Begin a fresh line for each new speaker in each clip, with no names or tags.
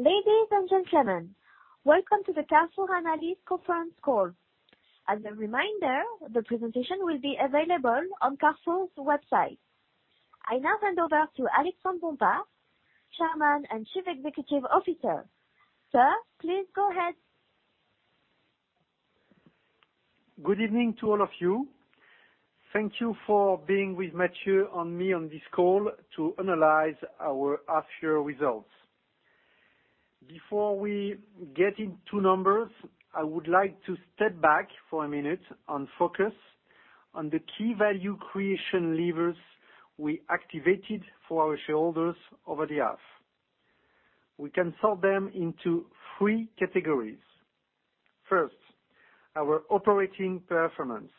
Ladies and gentlemen, welcome to the Carrefour analyst conference call. As a reminder, the presentation will be available on Carrefour's website. I now hand over to Alexandre Bompard, Chairman and Chief Executive Officer. Sir, please go ahead.
Good evening to all of you. Thank you for being with Matthieu and me on this call to analyze our half year results. Before we get into numbers, I would like to step back for a minute and focus on the key value creation levers we activated for our shareholders over the half. We can sort them into three categories. First, our operating performance,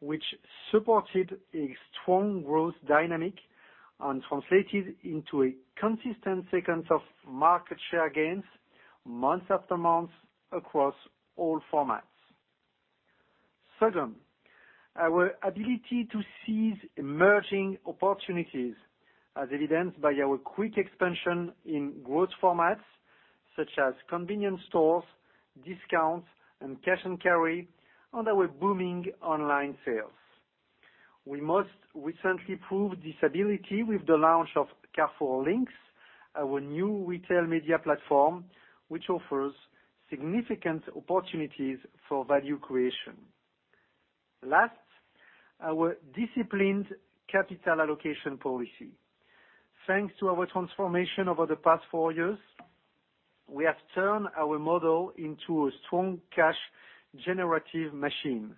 which supported a strong growth dynamic and translated into a consistent sequence of market share gains month after month across all formats. Second, our ability to seize emerging opportunities, as evidenced by our quick expansion in growth formats such as convenience stores, discounts, and cash-and-carry, and our booming online sales. We most recently proved this ability with the launch of Carrefour Links, our new retail media platform, which offers significant opportunities for value creation. Last, our disciplined capital allocation policy. Thanks to our transformation over the past four years, we have turned our model into a strong cash generative machine.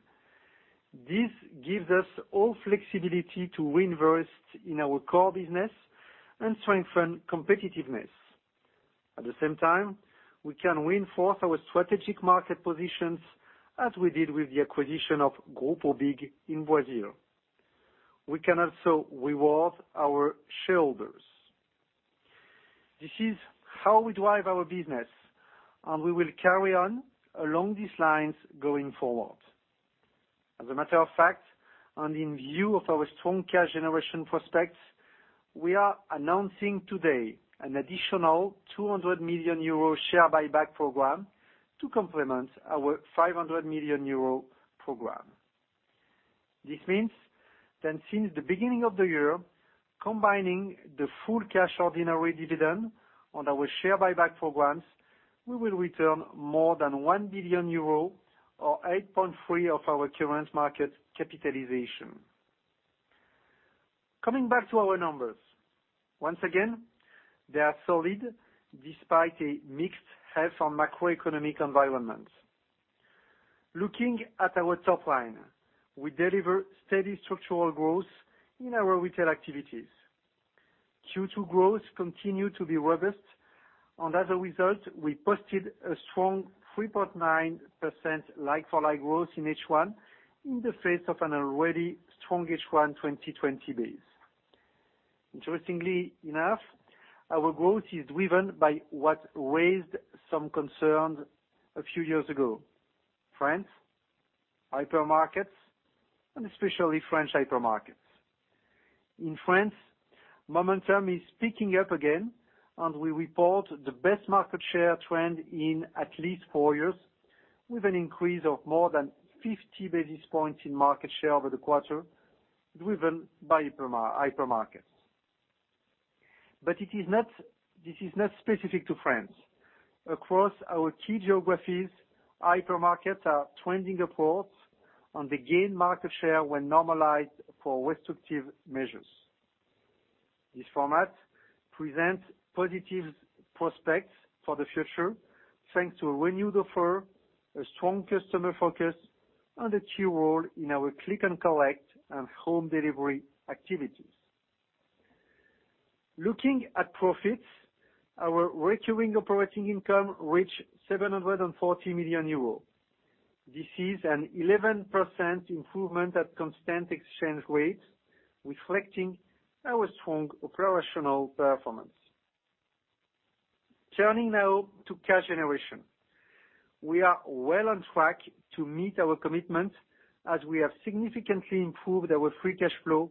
This gives us all flexibility to reinvest in our core business and strengthen competitiveness. At the same time, we can reinforce our strategic market positions as we did with the acquisition of Grupo BIG in Brazil. We can also reward our shareholders. This is how we drive our business, and we will carry on along these lines going forward. As a matter of fact, and in view of our strong cash generation prospects, we are announcing today an additional 200 million euro share buyback program to complement our 500 million euro program. This means that since the beginning of the year, combining the full cash ordinary dividend on our share buyback programs, we will return more than 1 billion euro or 8.3% of our current market capitalization. Coming back to our numbers. Once again, they are solid despite a mixed health and macroeconomic environment. Looking at our top line, we deliver steady structural growth in our retail activities. Q2 growth continued to be robust. As a result, we posted a strong 3.9% like-for-like growth in H1 in the face of an already strong H1 2020 base. Interestingly enough, our growth is driven by what raised some concerns a few years ago: France, hypermarkets, and especially French hypermarkets. In France, momentum is picking up again. We report the best market share trend in at least four years with an increase of more than 50 basis points in market share over the quarter, driven by hypermarkets. This is not specific to France. Across our key geographies, hypermarkets are trending upwards. They gain market share when normalized for restrictive measures. This format presents positive prospects for the future, thanks to a renewed offer, a strong customer focus, and a key role in our click and collect and home delivery activities. Looking at profits, our recurring operating income reached 740 million euros. This is an 11% improvement at constant exchange rates, reflecting our strong operational performance. Turning now to cash generation. We are well on track to meet our commitment as we have significantly improved our free cash flow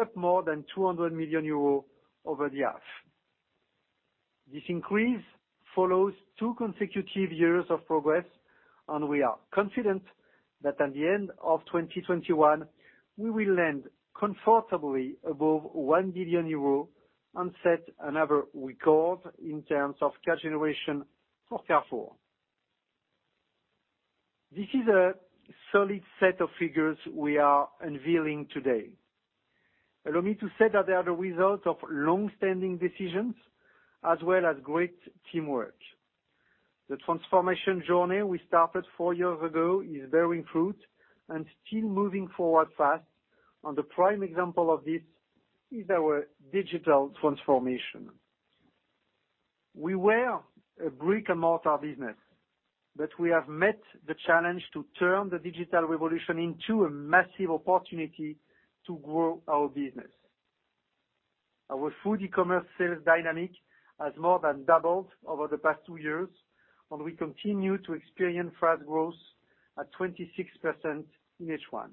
up more than 200 million euro over the half. This increase follows two consecutive years of progress, and we are confident that at the end of 2021, we will land comfortably above 1 billion euro and set another record in terms of cash generation for Carrefour. This is a solid set of figures we are unveiling today. Allow me to say that they are the result of long-standing decisions as well as great teamwork. The transformation journey we started four years ago is bearing fruit and still moving forward fast and a prime example of this is our digital transformation. We were a brick-and-mortar business, but we have met the challenge to turn the digital revolution into a massive opportunity to grow our business. Our food e-commerce sales dynamic has more than doubled over the past two years, and we continue to experience fast growth at 26% in H1.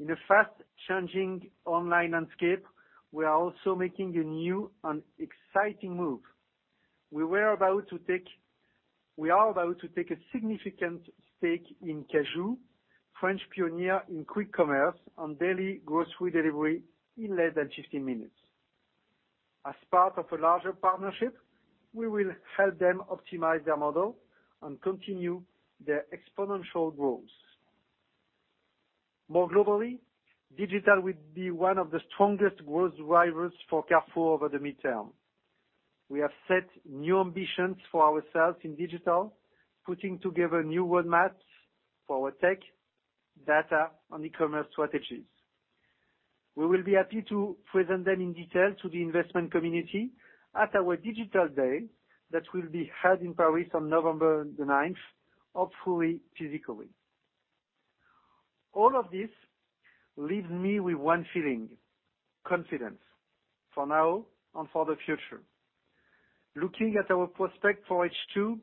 In a fast-changing online landscape, we are also making a new and exciting move. We are about to take a significant stake in Cajoo, French pioneer in quick commerce and daily grocery delivery in less than 60 minutes. As part of a larger partnership, we will help them optimize their model and continue their exponential growth. More globally, digital will be one of the strongest growth drivers for Carrefour over the midterm. We have set new ambitions for ourselves in digital, putting together new roadmaps for our tech, data, and e-commerce strategies. We will be happy to present them in detail to the investment community at our Digital Day that will be held in Paris on November 9th, hopefully physically. All of this leaves me with one feeling, confidence, for now and for the future. Looking at our prospect for H2,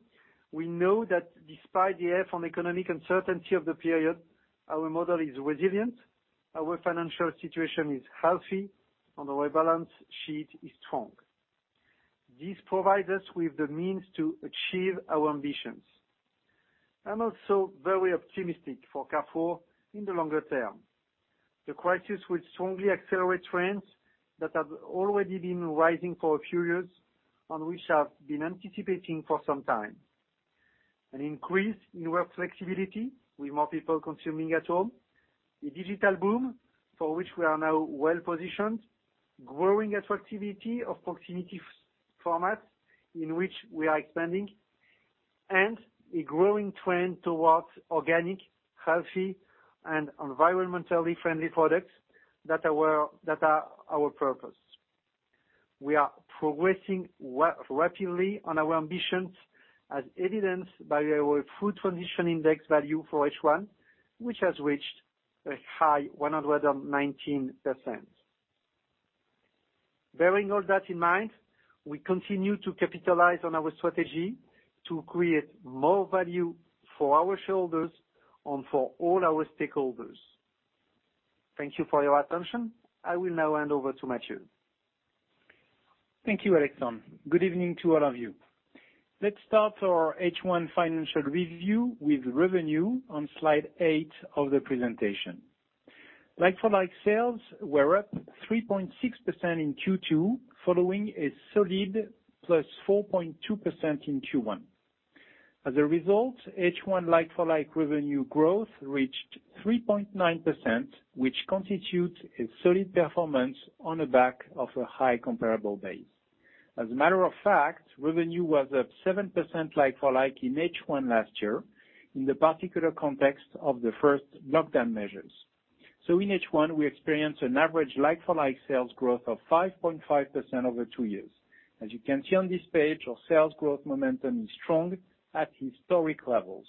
we know that despite the economic uncertainty of the period, our model is resilient, our financial situation is healthy, and our balance sheet is strong. This provides us with the means to achieve our ambitions. I'm also very optimistic for Carrefour in the longer term. The crisis will strongly accelerate trends that have already been rising for a few years and which I've been anticipating for some time. An increase in work flexibility with more people consuming at home, a digital boom for which we are now well-positioned, growing interactivity of proximity formats in which we are expanding, and a growing trend towards organic, healthy, and environmentally friendly products that are our purpose. We are progressing rapidly on our ambitions, as evidenced by our Food Transition Index value for H1, which has reached a high 119%. Bearing all that in mind, we continue to capitalize on our strategy to create more value for our shareholders and for all our stakeholders. Thank you for your attention. I will now hand over to Matthieu.
Thank you, Alexandre. Good evening to all of you. Let's start our H1 financial review with revenue on slide 8 of the presentation. Like-for-like sales were up 3.6% in Q2, following a solid +4.2% in Q1. H1 like-for-like revenue growth reached 3.9%, which constitutes a solid performance on the back of a high comparable base. As a matter of fact, revenue was up 7% like-for-like in H1 last year in the particular context of the first lockdown measures. In H1, we experienced an average like-for-like sales growth of 5.5% over two years. As you can see on this page, our sales growth momentum is strong at historic levels.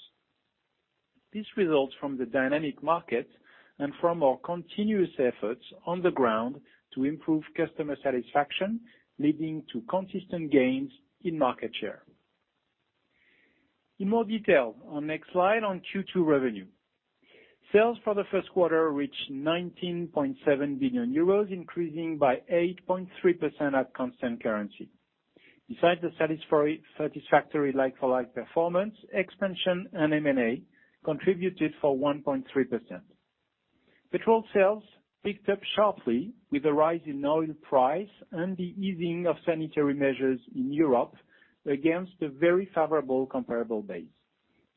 This results from the dynamic market and from our continuous efforts on the ground to improve customer satisfaction, leading to consistent gains in market share. In more detail, on next slide on Q2 revenue. Sales for the first quarter reached 19.7 billion euros, increasing by 8.3% at constant currency. Besides the satisfactory like-for-like performance, expansion and M&A contributed for 1.3%. Petrol sales picked up sharply with a rise in oil price and the easing of sanitary measures in Europe against a very favorable comparable base.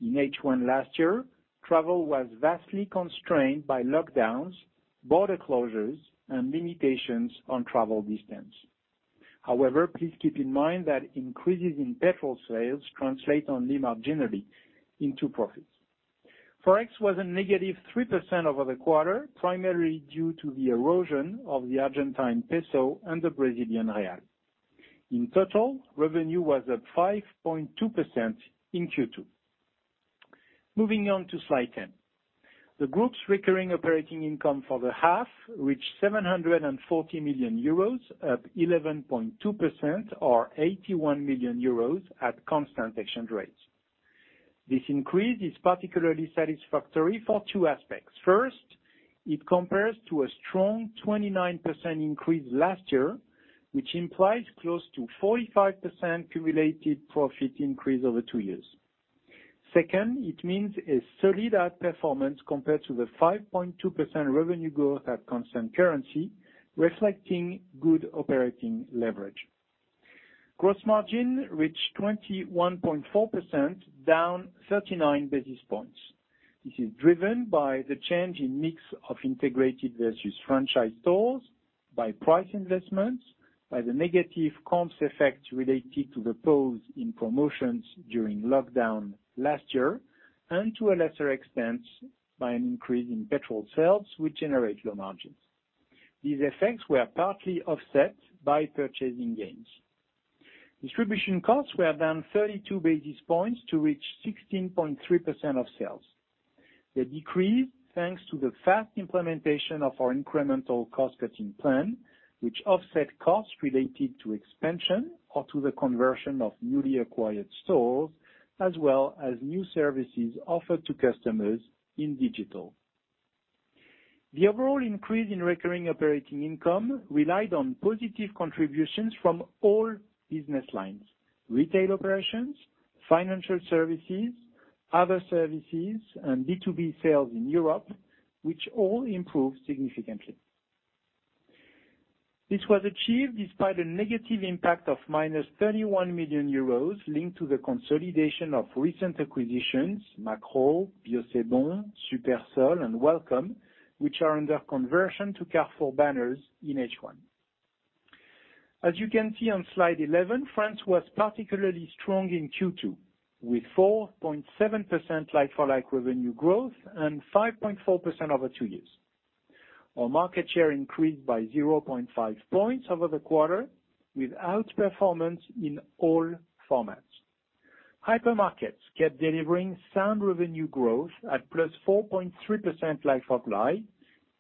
In H1 last year, travel was vastly constrained by lockdowns, border closures, and limitations on travel distance. However, please keep in mind that increases in petrol sales translate only marginally into profits. Forex was a negative 3% over the quarter, primarily due to the erosion of the Argentine peso and the Brazilian real. In total, revenue was up 5.2% in Q2. Moving on to slide 10. The group's recurring operating income for the half reached 740 million euros, up 11.2%, or 81 million euros at constant exchange rates. This increase is particularly satisfactory for two aspects. First, it compares to a strong 29% increase last year, which implies close to 45% cumulative profit increase over two years. Second, it means a solid outperformance compared to the 5.2% revenue growth at constant currency, reflecting good operating leverage. Gross margin reached 21.4%, down 39 basis points. This is driven by the change in mix of integrated versus franchise stores, by price investments, by the negative comps effect related to the pause in promotions during lockdown last year, and to a lesser extent, by an increase in petrol sales, which generate low margins. These effects were partly offset by purchasing gains. Distribution costs were down 32 basis points to reach 16.3% of sales. They decreased thanks to the fast implementation of our incremental cost-cutting plan, which offset costs related to expansion or to the conversion of newly acquired stores, as well as new services offered to customers in digital. The overall increase in recurring operating income relied on positive contributions from all business lines, retail operations, financial services, other services, and B2B sales in Europe, which all improved significantly. This was achieved despite a negative impact of minus 31 million euros linked to the consolidation of recent acquisitions, Makro, Bio c' Bon, Supersol, and Wellcome, which are under conversion to Carrefour banners in H1. As you can see on slide 11, France was particularly strong in Q2, with 4.7% like-for-like revenue growth and 5.4% over two years. Our market share increased by 0.5 points over the quarter, with outperformance in all formats. Hypermarkets kept delivering sound revenue growth at +4.3% like-for-like,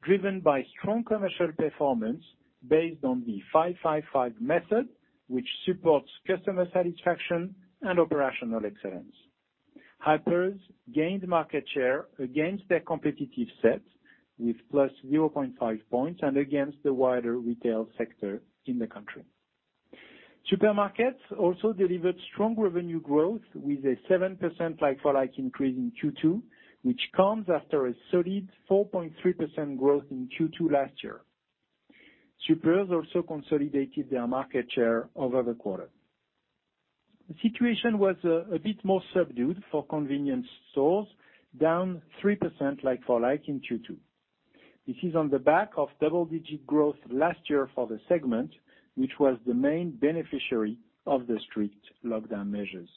driven by strong commercial performance based on the 5-5-5 method, which supports customer satisfaction and operational excellence. Hypers gained market share against their competitive set with +0.5 points and against the wider retail sector in the country. Supermarkets also delivered strong revenue growth with a 7% like-for-like increase in Q2, which comes after a solid 4.3% growth in Q2 last year. Supers also consolidated their market share over the quarter. The situation was a bit more subdued for convenience stores, down 3% like-for-like in Q2. This is on the back of double-digit growth last year for the segment, which was the main beneficiary of the strict lockdown measures.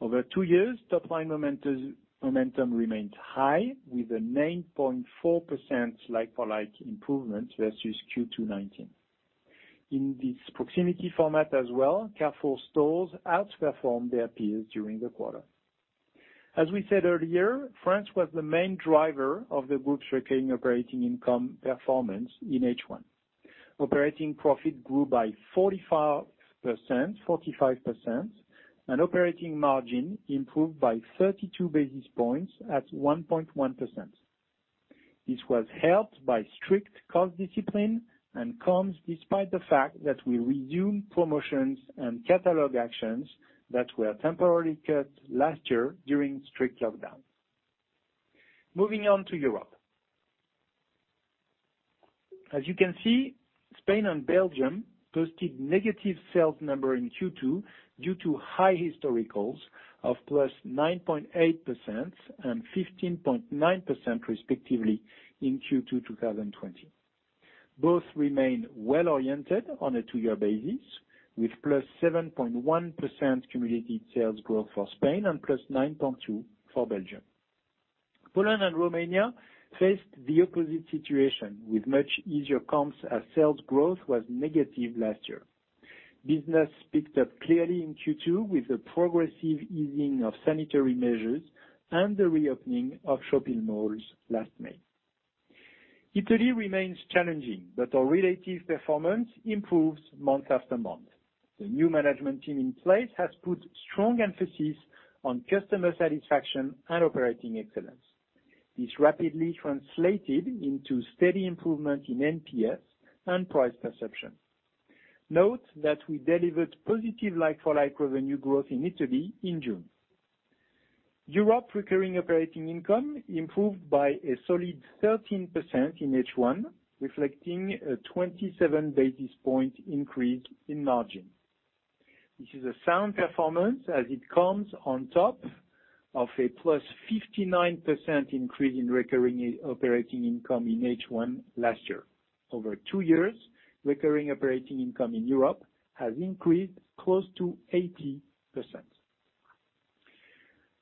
Over 2 years, top-line momentum remained high with a 9.4% like-for-like improvement versus Q2 2019. In this proximity format as well, Carrefour stores outperformed their peers during the quarter. As we said earlier, France was the main driver of the group's recurring operating income performance in H1. Operating profit grew by 45%, operating margin improved by 32 basis points at 1.1%. This was helped by strict cost discipline and comes despite the fact that we resumed promotions and catalog actions that were temporarily cut last year during strict lockdown. Moving on to Europe. As you can see, Spain and Belgium posted negative sales numbers in Q2 due to high historicals of +9.8% and 15.9% respectively in Q2 2020. Both remain well-oriented on a two-year basis, with +7.1% cumulative sales growth for Spain and +9.2% for Belgium. Poland and Romania faced the opposite situation, with much easier comps as sales growth was negative last year. Business picked up clearly in Q2 with the progressive easing of sanitary measures and the reopening of shopping malls last May. Italy remains challenging, our relative performance improves month-after-month. The new management team in place has put strong emphasis on customer satisfaction and operating excellence. This rapidly translated into steady improvement in NPS and price perception. Note that we delivered positive like-for-like revenue growth in Italy in June. Europe recurring operating income improved by a solid 13% in H1, reflecting a 27 basis point increase in margin. This is a sound performance as it comes on top of a +59% increase in recurring operating income in H1 last year. Over two years, recurring operating income in Europe has increased close to 80%.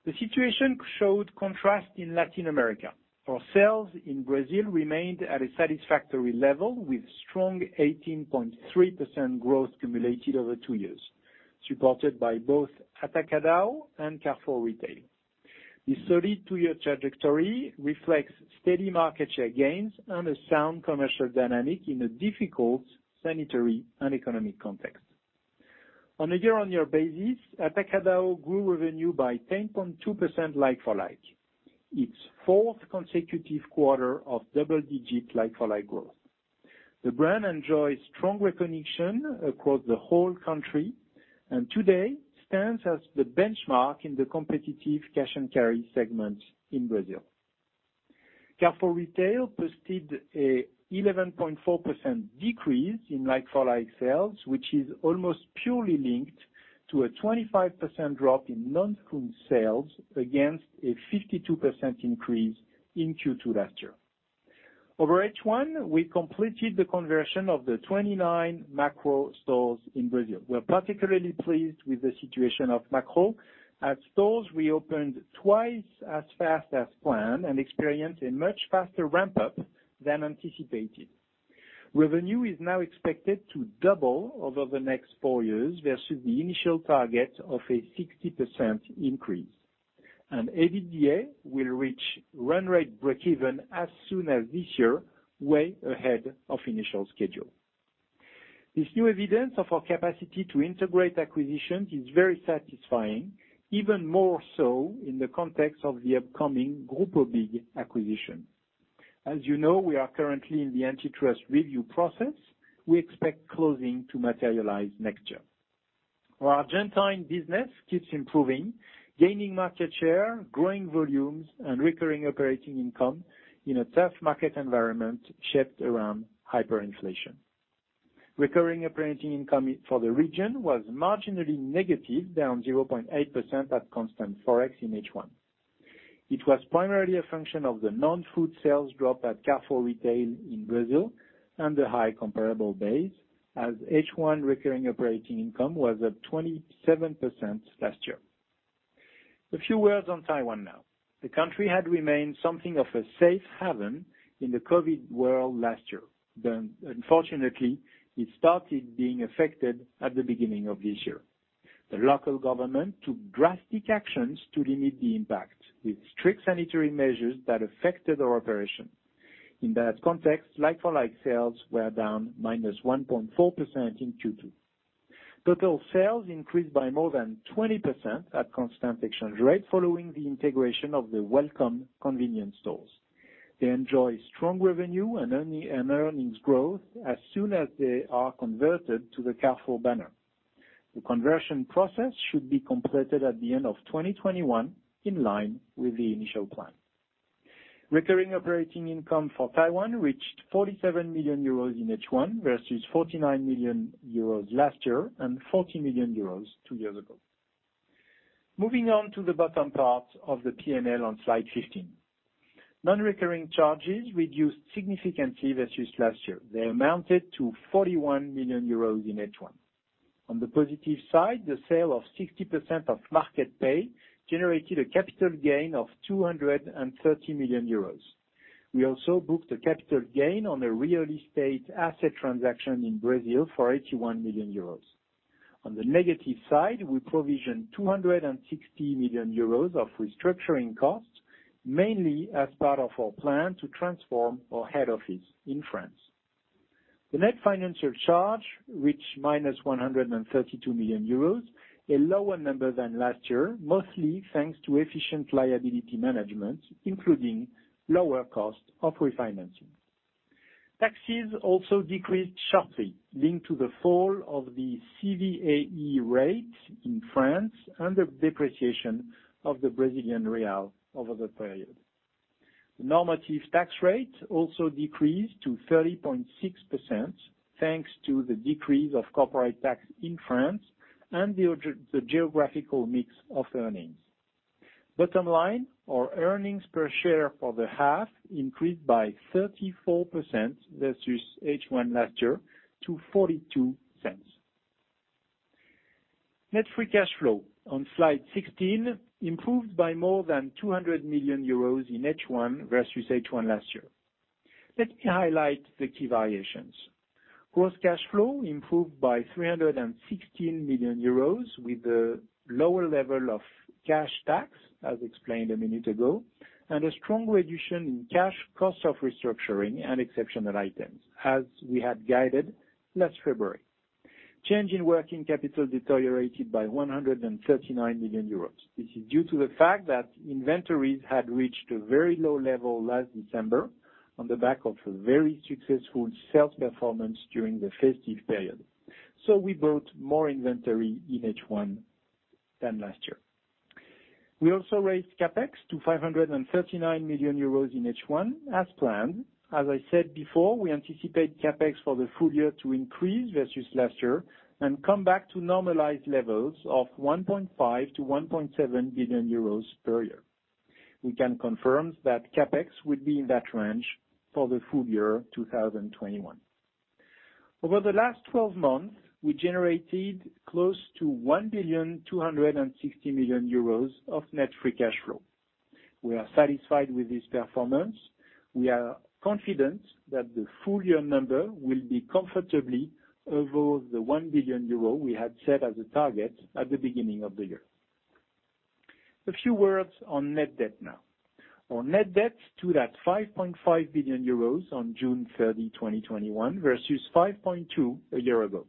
The situation showed contrast in Latin America. Our sales in Brazil remained at a satisfactory level, with strong 18.3% growth cumulative over two years, supported by both Atacadão and Carrefour Retail. The study to your trajectory reflects steady market share gains and a sound commercial dynamic in a difficult sanitary and economic context. On a year-over-year basis, Atacadão grew revenue by 10.2% like-for-like, its fourth consecutive quarter of double-digit like-for-like growth. The brand enjoys strong recognition across the whole country and today stands as the benchmark in the competitive cash and carry segment in Brazil. Carrefour Retail posted an 11.4% decrease in like-for-like sales, which is almost purely linked to a 25% drop in non-food sales against a 52% increase in Q2 last year. Over H1, we completed the conversion of the 29 Makro stores in Brazil. We're particularly pleased with the situation of Makro, as stores reopened twice as fast as planned and experienced a much faster ramp-up than anticipated. Revenue is now expected to double over the next four years versus the initial target of a 60% increase. EBITDA will reach run rate breakeven as soon as this year, way ahead of initial schedule. This new evidence of our capacity to integrate acquisitions is very satisfying, even more so in the context of the upcoming Grupo BIG acquisition. As you know, we are currently in the antitrust review process. We expect closing to materialize next year. Our Argentine business keeps improving, gaining market share, growing volumes and recurring operating income in a tough market environment shaped around hyperinflation. Recurring operating income for the region was marginally negative, down 0.8% at constant Forex in H1. It was primarily a function of the non-food sales drop at Carrefour Retail in Brazil and a high comparable base, as H1 recurring operating income was up 27% last year. A few words on Taiwan now. The country had remained something of a safe haven in the COVID world last year. Unfortunately, it started being affected at the beginning of this year. The local government took drastic actions to limit the impact, with strict sanitary measures that affected our operation. In that context, like-for-like sales were down -1.4% in Q2. Total sales increased by more than 20% at constant exchange rate following the integration of the Wellcome convenience stores. They enjoy strong revenue and earnings growth as soon as they are converted to the Carrefour banner. The conversion process should be completed at the end of 2021, in line with the initial plan. Recurring operating income for Taiwan reached 47 million euros in H1, versus 49 million euros last year and 40 million euros two years ago. Moving on to the bottom part of the P&L on slide 15. Non-recurring charges reduced significantly versus last year. They amounted to 41 million euros in H1. On the positive side, the sale of 60% of Market Pay generated a capital gain of 230 million euros. We also booked a capital gain on a real estate asset transaction in Brazil for 81 million euros. On the negative side, we provisioned 260 million euros of restructuring costs, mainly as part of our plan to transform our head office in France. The net financial charge reached minus 132 million euros, a lower number than last year, mostly thanks to efficient liability management, including lower cost of refinancing. Taxes also decreased sharply, linked to the fall of the CVAE rate in France and the depreciation of the Brazilian real over the period. The normative tax rate also decreased to 30.6%, thanks to the decrease of corporate tax in France and the geographical mix of earnings. Bottom line, our earnings per share for the half increased by 34% versus H1 last year to 0.42. Net free cash flow on slide 16 improved by more than 200 million euros in H1 versus H1 last year. Let me highlight the key variations. Gross cash flow improved by 316 million euros with the lower level of cash tax, as explained a minute ago, and a strong reduction in cash cost of restructuring and exceptional items, as we had guided last February. Change in working capital deteriorated by 139 million euros. This is due to the fact that inventories had reached a very low level last December on the back of a very successful sales performance during the festive period. We built more inventory in H1 than last year. We also raised CapEx to 539 million euros in H1 as planned. As I said before, we anticipate CapEx for the full year to increase versus last year and come back to normalized levels of 1.5 billion-1.7 billion euros per year. We can confirm that CapEx will be in that range for the full year 2021. Over the last 12 months, we generated close to 1.26 billion of net free cash flow. We are satisfied with this performance. We are confident that the full year number will be comfortably above the 1 billion euro we had set as a target at the beginning of the year. A few words on net debt now. Our net debt stood at 5.5 billion euros on June 30, 2021, versus 5.2 a year ago.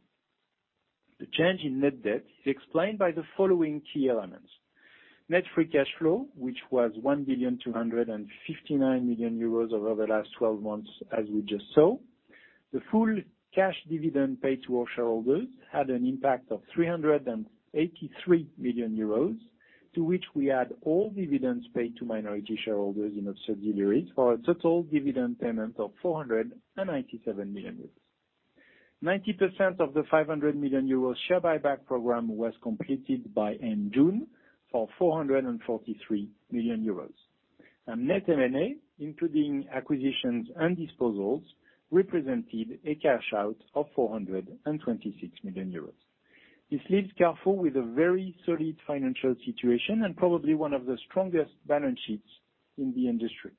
The change in net debt is explained by the following key elements: net free cash flow, which was 1.259 billion euros over the last 12 months, as we just saw. The full cash dividend paid to our shareholders had an impact of 383 million euros, to which we add all dividends paid to minority shareholders in our subsidiaries for a total dividend payment of EUR 497 million. 90% of the 500 million euro share buyback program was completed by end June for 443 million euros. Net M&A, including acquisitions and disposals, represented a cash-out of 426 million euros. This leaves Carrefour with a very solid financial situation and probably one of the strongest balance sheets in the industry.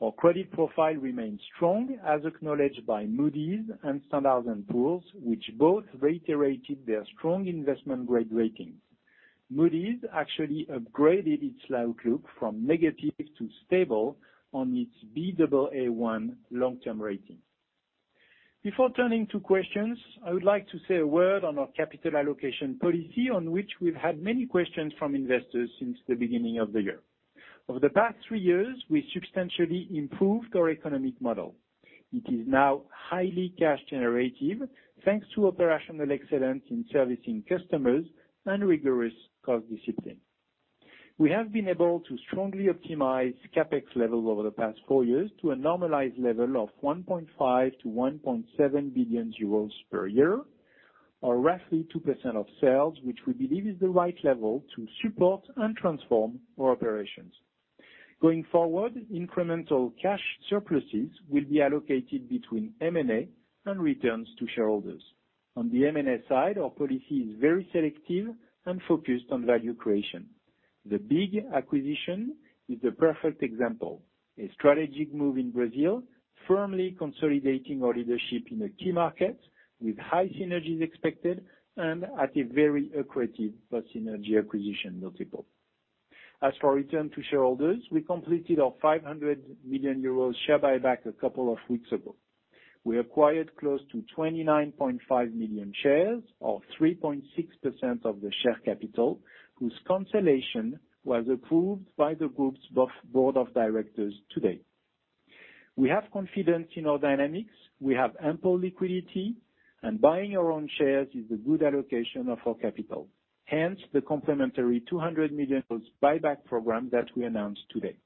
Our credit profile remains strong, as acknowledged by Moody's and Standard & Poor's, which both reiterated their strong investment grade ratings. Moody's actually upgraded its outlook from negative to stable on its Baa1 long-term rating. Before turning to questions, I would like to say a word on our capital allocation policy on which we've had many questions from investors since the beginning of the year. Over the past three years, we substantially improved our economic model. It is now highly cash generative, thanks to operational excellence in servicing customers and rigorous cost discipline. We have been able to strongly optimize CapEx levels over the past four years to a normalized level of 1.5 billion-1.7 billion euros per year, or roughly 2% of sales, which we believe is the right level to support and transform our operations. Going forward, incremental cash surpluses will be allocated between M&A and returns to shareholders. On the M&A side, our policy is very selective and focused on value creation. The BIG acquisition is the perfect example. A strategic move in Brazil, firmly consolidating our leadership in a key market with high synergies expected and at a very accretive synergy acquisition multiple. As for return to shareholders, we completed our 500 million euros share buyback a couple of weeks ago. We acquired close to 29.5 million shares or 3.6% of the share capital, whose cancellation was approved by the group's board of directors today. We have confidence in our dynamics. We have ample liquidity, and buying our own shares is a good allocation of our capital, hence the complementary 200 million buyback program that we announced today.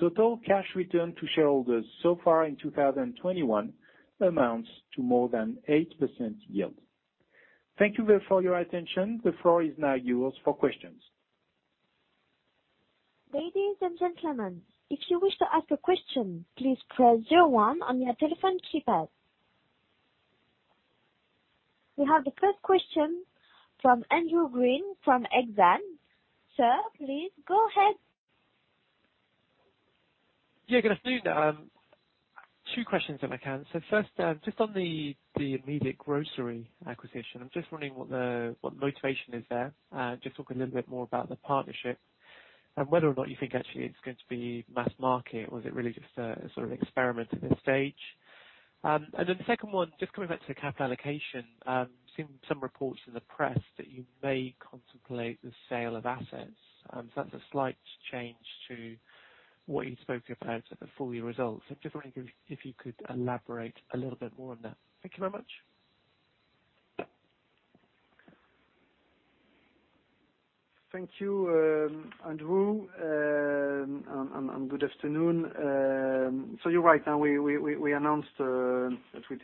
Total cash return to shareholders so far in 2021 amounts to more than 8% yield. Thank you for your attention. The floor is now yours for questions.
Ladies and gentlemen, if you wish to ask a question, please press 01 on your telephone keypad. We have the first question from Andrew Gwynn from Exane. Sir, please go ahead.
Yeah, good afternoon. Two questions if I can. First, just on the immediate grocery acquisition, I'm just wondering what the motivation is there. Just talk a little bit more about the partnership and whether or not you think actually it's going to be mass market or is it really just a sort of experiment at this stage. The second one, just coming back to the capital allocation, I've seen some reports in the press that you may contemplate the sale of assets. That's a slight change to what you spoke about at the full year results. I'm just wondering if you could elaborate a little bit more on that. Thank you very much.
Thank you, Andrew. Good afternoon. You're right. Now, we announced that we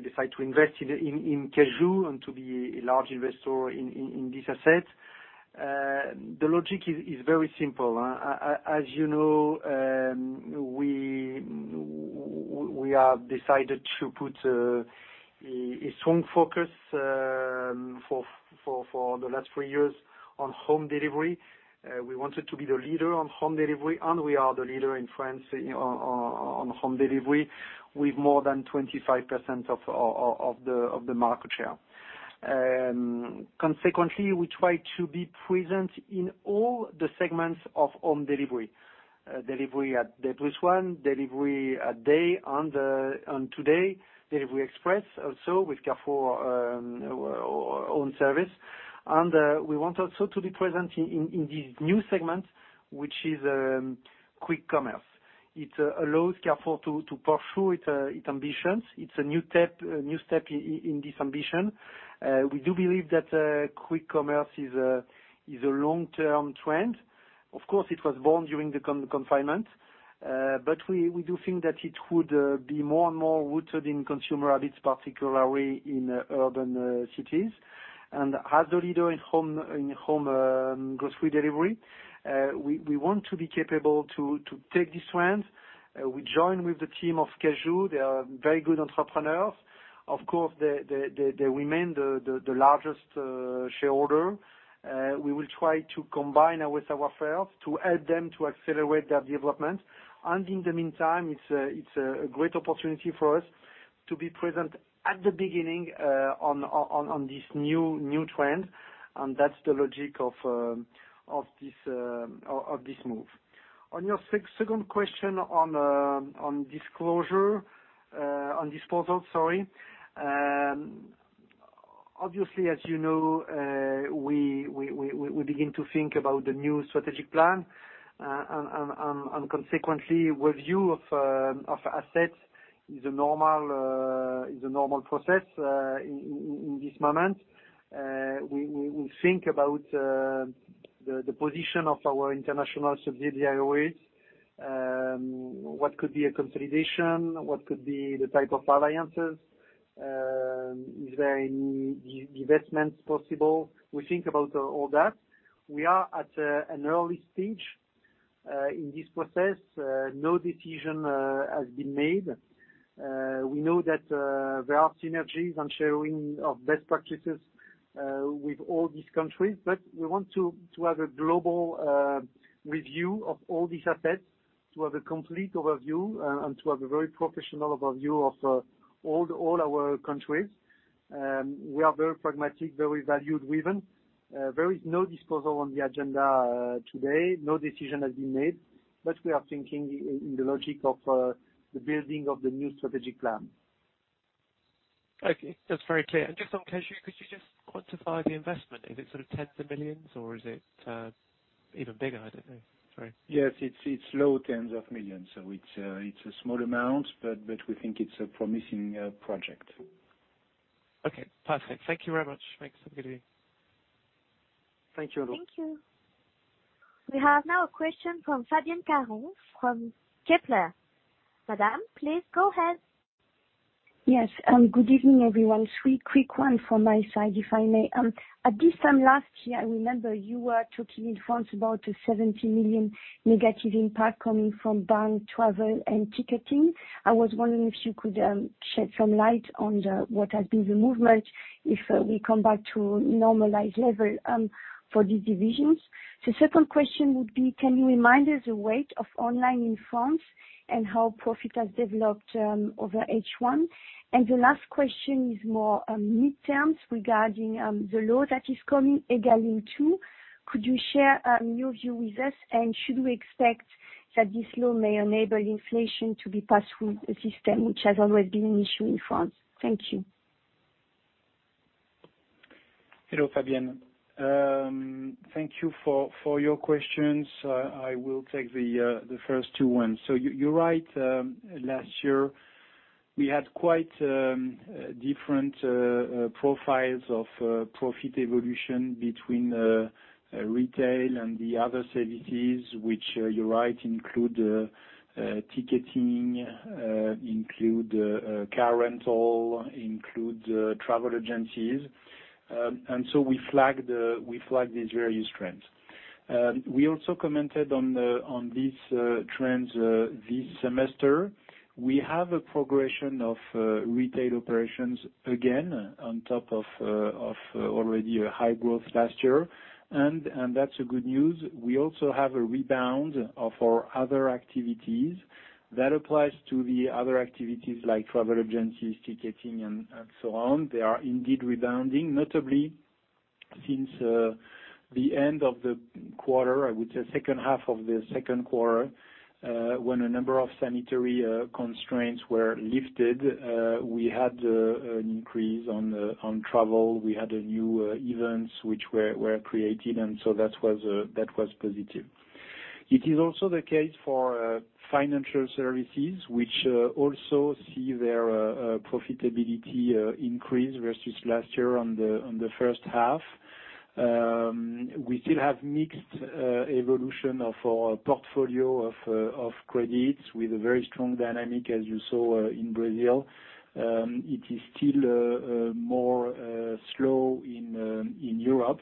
decide to invest in Cajoo and to be a large investor in this asset. The logic is very simple. As you know, we have decided to put a strong focus for the last tjhree years on home delivery. We wanted to be the leader on home delivery, and we are the leader in France on home delivery with more than 25% of the market share. Consequently, we try to be present in all the segments of home delivery. Delivery at day-plus-one, delivery at day on today, delivery express also with Carrefour own service. We want also to be present in this new segment, which is quick commerce. It allows Carrefour to pursue its ambitions. It's a new step in this ambition. We do believe that quick commerce is a long-term trend. Of course, it was born during the confinement, but we do think that it would be more and more rooted in consumer habits, particularly in urban cities. As the leader in home grocery delivery, we want to be capable to take this trend. We join with the team of Cajoo. They are very good entrepreneurs. Of course, they remain the largest shareholder. We will try to combine with our fares to help them to accelerate their development. In the meantime, it's a great opportunity for us to be present at the beginning on this new trend, that's the logic of this move. On your second question on disposal, sorry. Obviously, as you know, we begin to think about the new strategic plan. Consequently, review of assets is a normal process in this moment. We think about the position of our international subsidiary, what could be a consolidation, what could be the type of alliances, is there any divestments possible? We think about all that. We are at an early stage, in this process. No decision has been made. We know that there are synergies and sharing of best practices With all these countries. We want to have a global review of all these assets, to have a complete overview, and to have a very professional overview of all our countries. We are very pragmatic, very value-driven. There is no disposal on the agenda today. No decision has been made. We are thinking in the logic of the building of the new strategic plan.
Okay. That's very clear. Just on Cajoo, could you just quantify the investment? Is it sort of tens of millions or is it even bigger? I don't know. Sorry.
Yes. It is low tens of millions EUR. It is a small amount, but we think it is a promising project.
Okay, perfect. Thank you very much. Thanks. Have a good evening.
Thank you.
Thank you. We have now a question from Fabienne Caron from Kepler. Madam, please go ahead.
Yes. Good evening, everyone. Three quick ones from my side, if I may. At this time last year, I remember you were talking in France about a 70 million negative impact coming from bank travel and ticketing. I was wondering if you could shed some light on what has been the movement, if we come back to normalized level for these divisions. The second question would be, can you remind us the weight of online in France and how profit has developed over H1? The last question is more mid-terms regarding the law that is coming, Egalim 2. Could you share your view with us? Should we expect that this law may enable inflation to be passed through the system, which has always been an issue in France. Thank you.
Hello, Fabienne. Thank you for your questions. I will take the first two ones. You're right, last year we had quite different profiles of profit evolution between retail and the other services, which, you're right, include ticketing, include car rental, include travel agencies. We flagged these various trends. We also commented on these trends this semester. We have a progression of retail operations again, on top of already a high growth last year. That's a good news. We also have a rebound of our other activities. That applies to the other activities like travel agencies, ticketing and so on. They are indeed rebounding. Notably, since the end of the quarter, I would say second half of the second quarter, when a number of sanitary constraints were lifted, we had an increase on travel. We had new events which were created. That was positive. It is also the case for financial services, which also see their profitability increase versus last year on the first half. We still have mixed evolution of our portfolio of credits with a very strong dynamic, as you saw in Brazil. It is still more slow in Europe.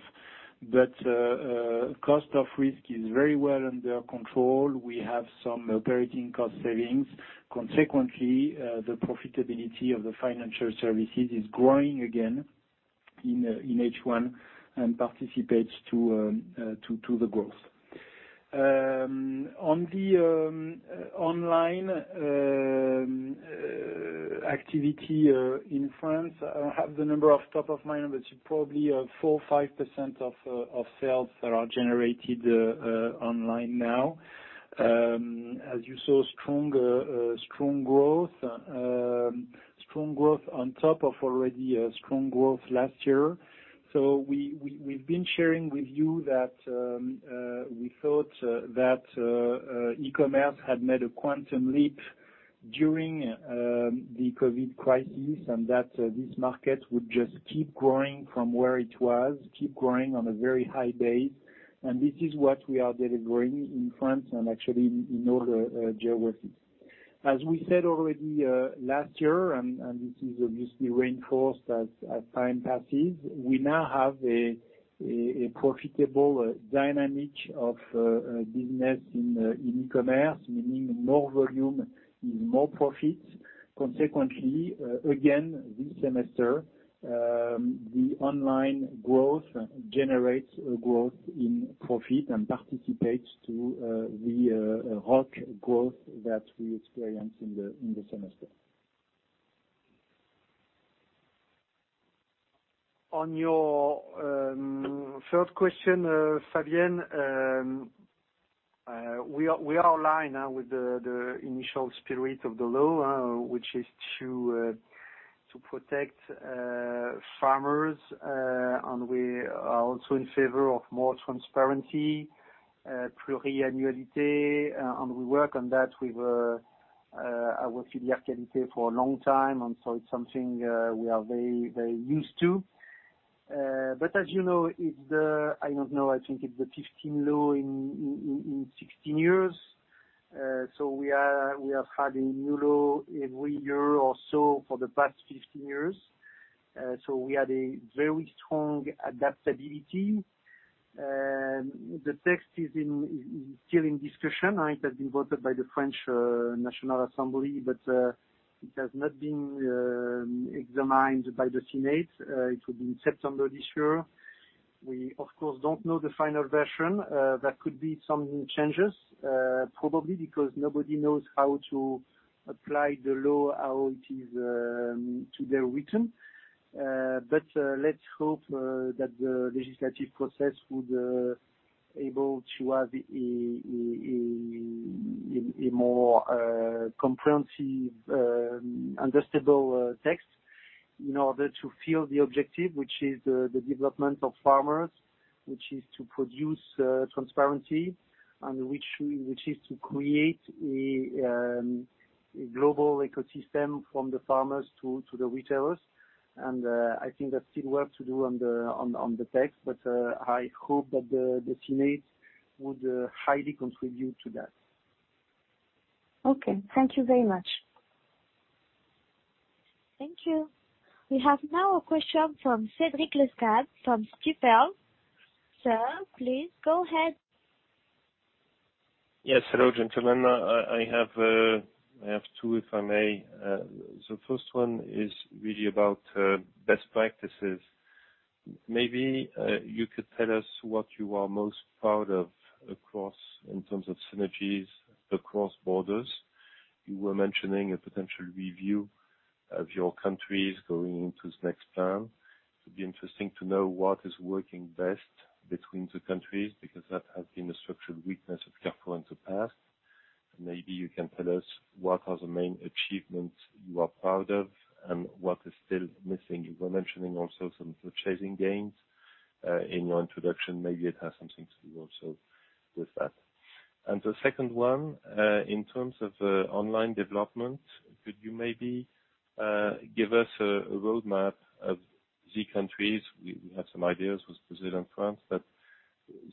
Cost of risk is very well under control. We have some operating cost savings. Consequently, the profitability of the financial services is growing again in H1 and participates to the growth. On the online activity in France, I don't have the number off top of mind, but it's probably 4%, 5% of sales that are generated online now. As you saw, strong growth on top of already a strong growth last year. We've been sharing with you that we thought that e-commerce had made a quantum leap during the COVID crisis, that this market would just keep growing from where it was, keep growing on a very high base. This is what we are delivering in France and actually in other geographies. As we said already last year, this is obviously reinforced as time passes, we now have a profitable dynamic of business in e-commerce, meaning more volume means more profits. Consequently, again, this semester, the online growth generates a growth in profit and participates to the ROC growth that we experience in the semester. On your third question, Fabienne, we are aligned now with the initial spirit of the law, which is to protect farmers. We are also in favor of more transparency, pluriannuality, and we work on that with our TV activity for a long time. It's something we are very used to. As you know, I don't know, I think it's the 15 law in 16 years. We have had a new law every year or so for the past 15 years. We had a very strong adaptability The text is still in discussion. It has been voted by the French National Assembly, it has not been examined by the Senate. It will be in September this year. We, of course, don't know the final version. There could be some changes, probably because nobody knows how to apply the law, how it is to be written. Let's hope that the legislative process would be able to have a more comprehensive, understandable text in order to fill the objective, which is the development of farmers, which is to produce transparency and which is to create a global ecosystem from the farmers to the retailers. I think there's still work to do on the text, but I hope that the Senate would highly contribute to that.
Okay. Thank you very much.
Thank you. We have now a question from Clément Genelot from Stifel. Sir, please go ahead.
Hello, gentlemen. I have two, if I may. The first one is really about best practices. Maybe you could tell us what you are most proud of across, in terms of synergies across borders. You were mentioning a potential review of your countries going into this next term. It'd be interesting to know what is working best between the countries, because that has been a structural weakness of Carrefour in the past. Maybe you can tell us what are the main achievements you are proud of and what is still missing. You were mentioning also some purchasing gains in your introduction. Maybe it has something to do also with that. The second one, in terms of online development, could you maybe give us a roadmap of the countries, we have some ideas with Brazil and France, but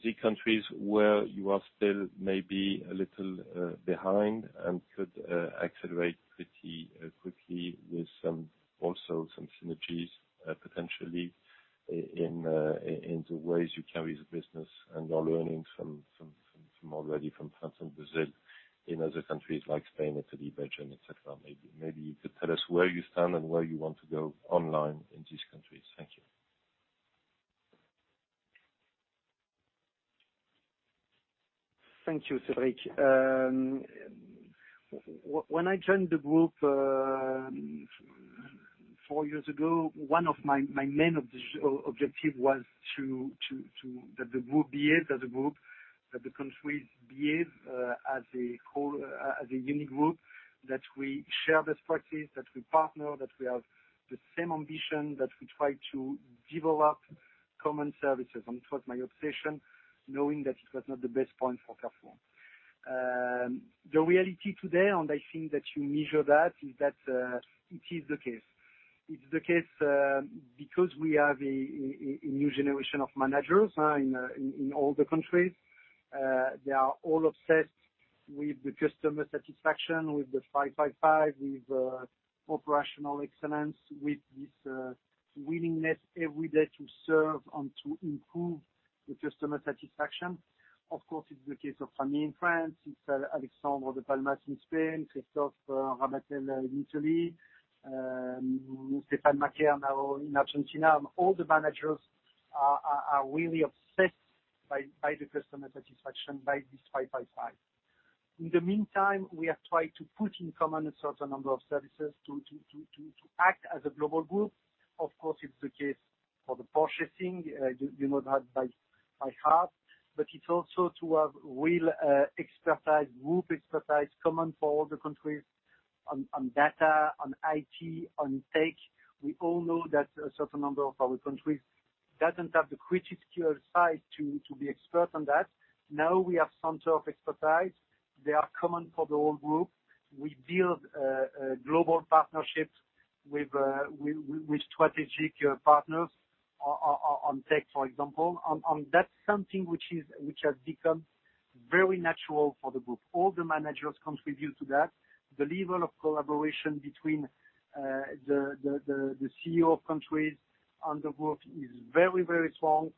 the countries where you are still maybe a little behind and could accelerate pretty quickly with also some synergies, potentially, in the ways you carry the business and are learning from already from France and Brazil in other countries like Spain, Italy, Belgium, et cetera. Maybe you could tell us where you stand and where you want to go online in these countries. Thank you.
Thank you, Clément. When I joined the group four years ago, one of my main objective was that the group behave as a group, that the countries behave as a unique group, that we share best practice, that we partner, that we have the same ambition, that we try to develop common services. It was my obsession, knowing that it was not the best point for Carrefour. The reality today, and I think that you measure that, is that it is the case. It's the case because we have a new generation of managers now in all the countries. They are all obsessed with the customer satisfaction, with the 5-5-5, with operational excellence, with this willingness every day to serve and to improve the customer satisfaction. Of course, it's the case of Rami in France, it's Alexandre de Palmas in Spain, Christophe Rabatel in Italy, Stéphane Maquaire now in Argentina. All the managers are really obsessed by the customer satisfaction, by this 5-5-5. In the meantime, we have tried to put in common a certain number of services to act as a global group. Of course, it's the case for the purchasing, you know that by heart. It's also to have real expertise, group expertise, common for all the countries on data, on IT, on tech. We all know that a certain number of our countries doesn't have the critical size to be expert on that. Now we have center of expertise. They are common for the whole group. We build global partnerships with strategic partners on tech, for example. On that something which has become very natural for the group. All the managers contribute to that. The level of collaboration between the CEO of countries and the group is very strong.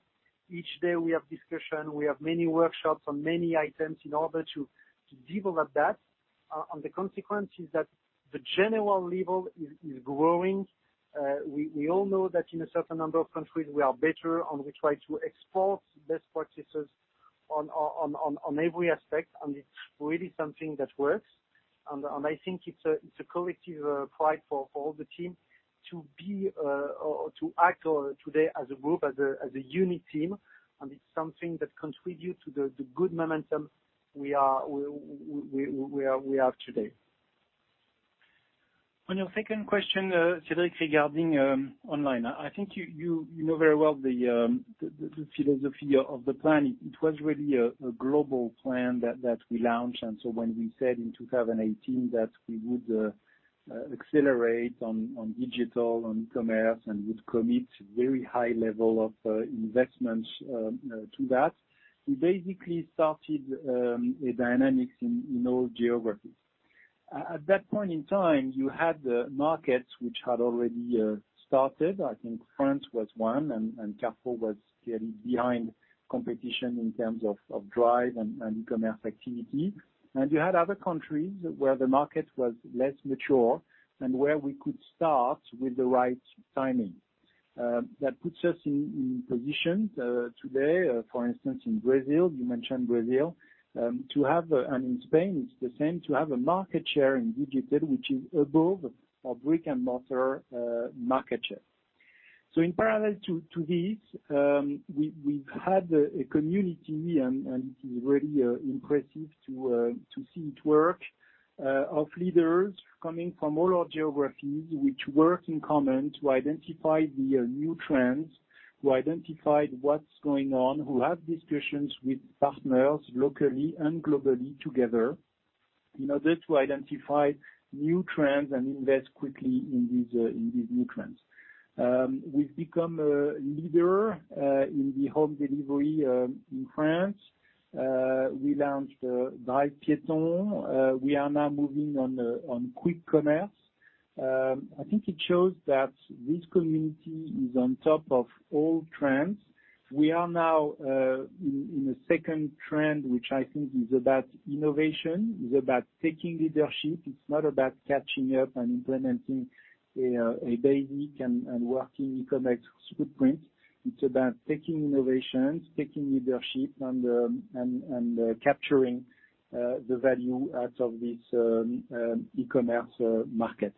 Each day we have discussion, we have many workshops on many items in order to develop that. The consequence is that the general level is growing. We all know that in a certain number of countries we are better, and we try to export best practices on every aspect, and it's really something that works. I think it's a collective pride for all the team to act today as a group, as a unique team, and it's something that contributes to the good momentum we have today.
On your second question, Clément, regarding online. I think you know very well the philosophy of the plan. It was really a global plan that we launched. When we said in 2018 that we would accelerate on digital, on commerce, and would commit very high level of investments to that, we basically started a dynamic in all geographies. At that point in time, you had the markets which had already started. I think France was one, and Carrefour was getting behind competition in terms of drive and e-commerce activity. You had other countries where the market was less mature and where we could start with the right timing. That puts us in position today, for instance, in Brazil, you mentioned Brazil, and in Spain it's the same, to have a market share in digital, which is above our brick-and-mortar market share. In parallel to this, we've had a community, and it is really impressive to see it work, of leaders coming from all our geographies, which work in common to identify the new trends, who identified what's going on, who have discussions with partners locally and globally together in order to identify new trends and invest quickly in these new trends. We've become a leader in the home delivery in France. We launched Drive Piéton. We are now moving on quick commerce. I think it shows that this community is on top of all trends. We are now in a second trend, which I think is about innovation, is about taking leadership. It's not about catching up and implementing a basic and working e-commerce footprint. It's about taking innovations, taking leadership, and capturing the value out of this e-commerce market.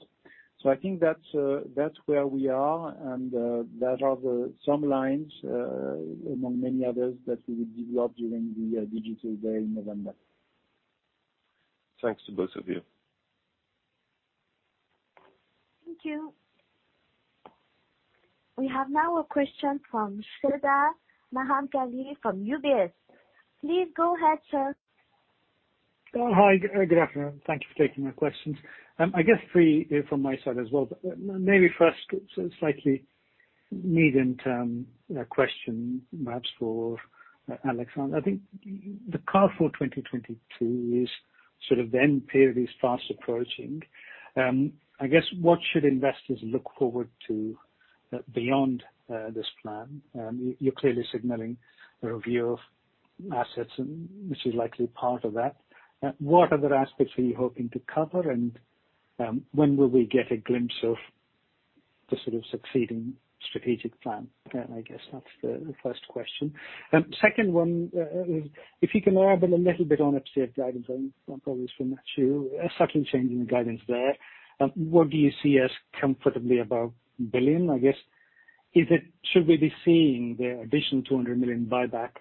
I think that's where we are and, that are the some lines, among many others that we will develop during the digital day in November.
Thanks to both of you.
Thank you. We have now a question from Sreedhar Mahamkali from UBS. Please go ahead, Sreedhar.
Hi, good afternoon. Thank you for taking my questions. I guess three from my side as well, but maybe first, slightly medium term question perhaps for Alexandre. I think the Carrefour 2022 is sort of then period is fast approaching. I guess what should investors look forward to beyond this plan? You're clearly signaling a review of assets, and this is likely part of that. What other aspects are you hoping to cover, and when will we get a glimpse of the sort of succeeding strategic plan? I guess that's the first question. Second one is, if you can elaborate a little bit on FCF guidance, and that probably is for Matthieu. A subtle change in the guidance there. What do you see as comfortably above billion, I guess? Should we be seeing the additional 200 million buyback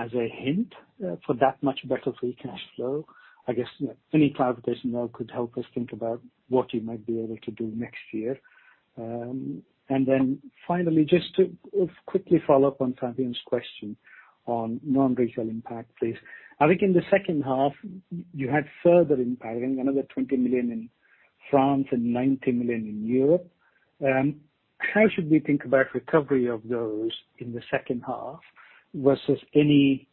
as a hint for that much better free cash flow? I guess any clarification there could help us think about what you might be able to do next year. Then finally, just to quickly follow up on Fabienne's question on non-retail impact, please. I think in the second half, you had further impact, again, another 20 million in France and 90 million in Europe. How should we think about recovery of those in the second half versus any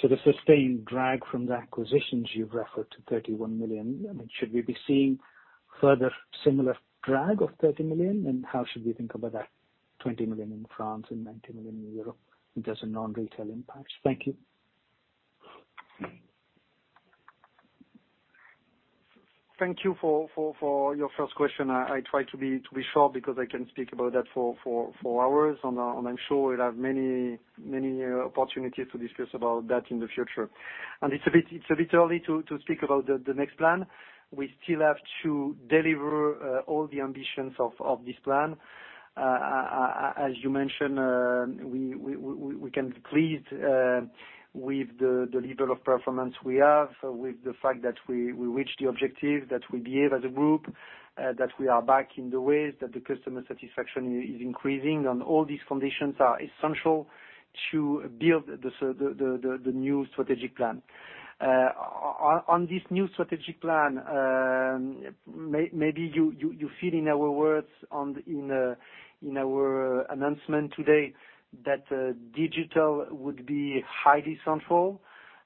sort of sustained drag from the acquisitions you've referred to, 31 million? I mean, should we be seeing further similar drag of 30 million, and how should we think about that 20 million in France and 90 million in Europe in terms of non-retail impacts? Thank you.
Thank you for your first question. I try to be short because I can speak about that for hours, and I'm sure we'll have many opportunities to discuss about that in the future. It's a bit early to speak about the next plan. We still have to deliver all the ambitions of this plan. As you mentioned, we can be pleased with the level of performance we have, with the fact that we reach the objective that we gave as a group, that we are back in the ways that the customer satisfaction is increasing, and all these conditions are essential to build the new strategic plan. On this new strategic plan, maybe you feel in our words in our announcement today that digital would be highly central.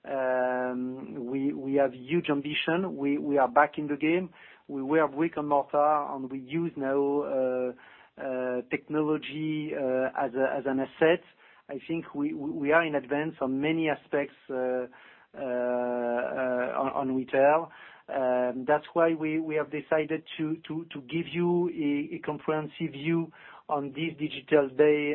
We have huge ambition. We are back in the game. We have brick-and-mortar, and we use now technology as an asset. I think we are in advance on many aspects on retail. That's why we have decided to give you a comprehensive view on this digital day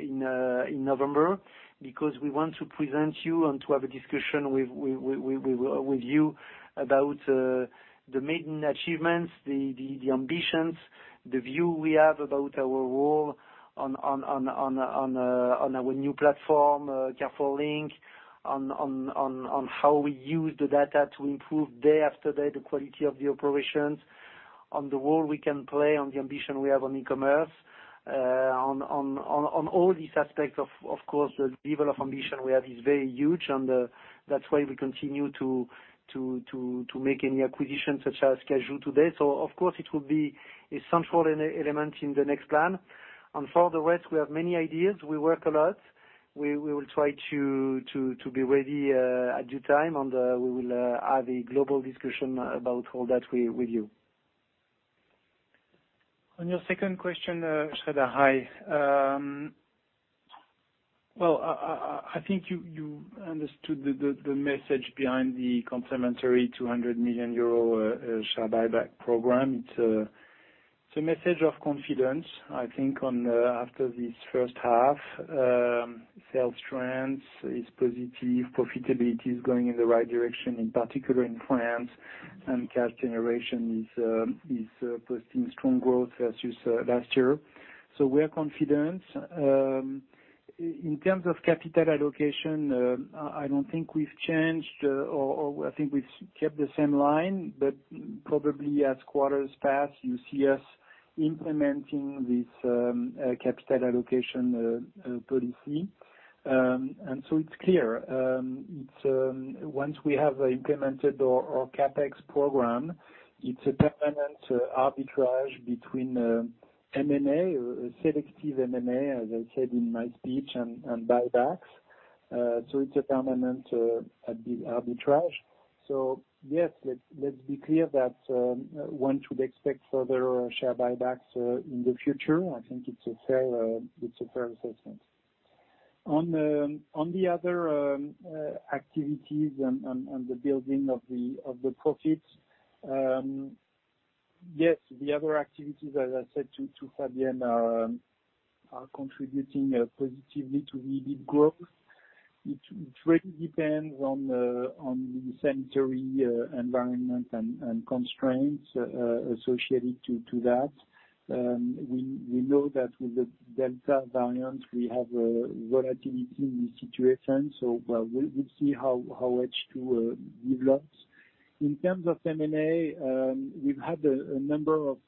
in November because we want to present you and to have a discussion with you about the main achievements, the ambitions, the view we have about our role on our new platform, Carrefour Links, on how we use the data to improve day after day the quality of the operations, on the role we can play, on the ambition we have on e-commerce, on all these aspects, of course, the level of ambition we have is very huge, and that's why we continue to make any acquisitions such as Cajoo today. Of course, it will be a central element in the next plan. For the rest, we have many ideas. We work a lot. We will try to be ready at due time, and we will have a global discussion about all that with you.
On your second question, hi. Well, I think you understood the message behind the complementary 200 million euro share buyback program. It's a message of confidence, I think, after this first half. Sales trends is positive. Profitability is going in the right direction, in particular in France, and cash generation is posting strong growth versus last year. We are confident. In terms of capital allocation, I don't think we've changed, or I think we've kept the same line. Probably as quarters pass, you see us implementing this capital allocation policy. It's clear, once we have implemented our CapEx program, it's a permanent arbitrage between M&A, selective M&A, as I said in my speech, and buybacks. It's a permanent arbitrage. Yes, let's be clear that one should expect further share buybacks in the future. I think it's a fair assessment. On the other activities and the building of the profits, yes, the other activities, as I said to Fabienne, are contributing positively to EBIT growth, which really depends on the sanitary environment and constraints associated to that. We know that with the Delta variant, we have a volatility in the situation. We'll see how H2 develops. In terms of M&A, we've had a number of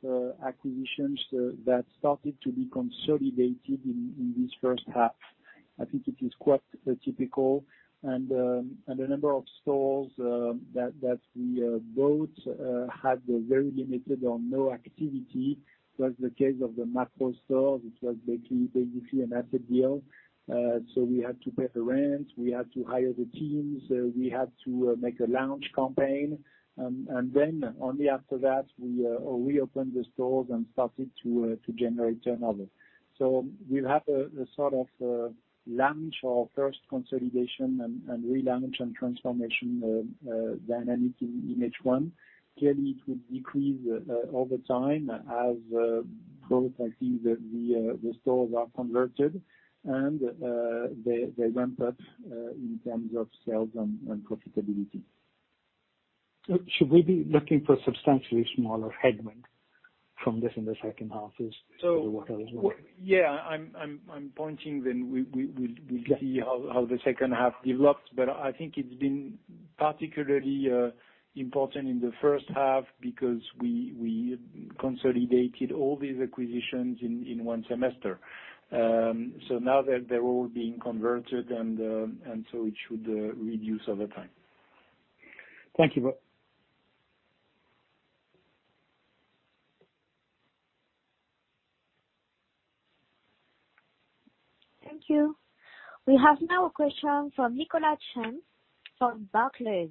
acquisitions that started to be consolidated in this first half. I think it is quite typical, and a number of stores that we bought had very limited or no activity. It was the case of the Makro stores, which was basically an asset deal. We had to pay the rent, we had to hire the teams, we had to make a launch campaign. Only after that, we reopened the stores and started to generate turnover. We've had a sort of launch or first consolidation and relaunch and transformation dynamic in H1. Clearly, it will decrease over time as progressively the stores are converted, and they ramp up in terms of sales and profitability.
Should we be looking for a substantially smaller headwind from this in the second half is what I was wondering?
Yeah, I'm pointing.
Yeah
see how the second half develops. I think it's been particularly important in the first half because we consolidated all these acquisitions in one semester. Now they're all being converted, and so it should reduce over time.
Thank you.
Thank you. We have now a question from Nicolas Champ from Barclays.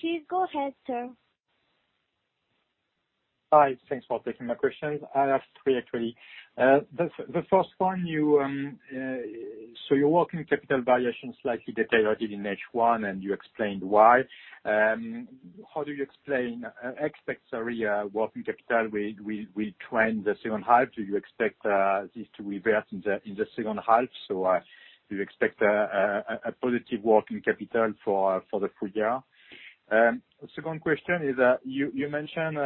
Please go ahead, sir.
Hi, thanks for taking my questions. I have three, actually. The first one, your working capital variation slightly deteriorated in H1, and you explained why. How do you expect working capital will trend the second half? Do you expect this to reverse in the second half? Do you expect a positive working capital for the full year? Second question is, you mentioned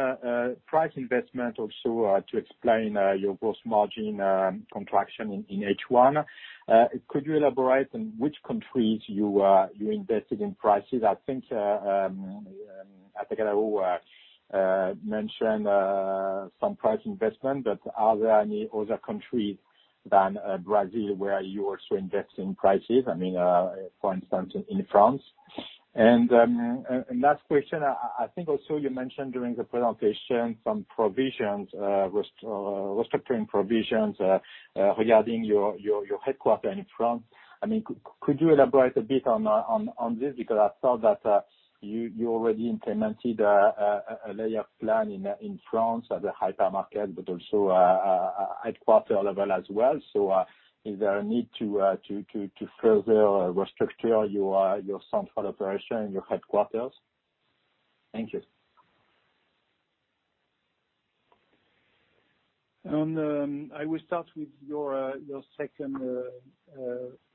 price investment also to explain your gross margin contraction in H1. Could you elaborate on which countries you invested in prices? I think Antoine mentioned some price investment, but are there any other countries than Brazil where you also invest in prices? For instance, in France. Last question, I think also you mentioned during the presentation some restructuring provisions regarding your headquarter in France. Could you elaborate a bit on this? I saw that you already implemented a layoff plan in France at the hypermarket, but also headquarter level as well. Is there a need to further restructure your central operation in your headquarters? Thank you.
I will start with your second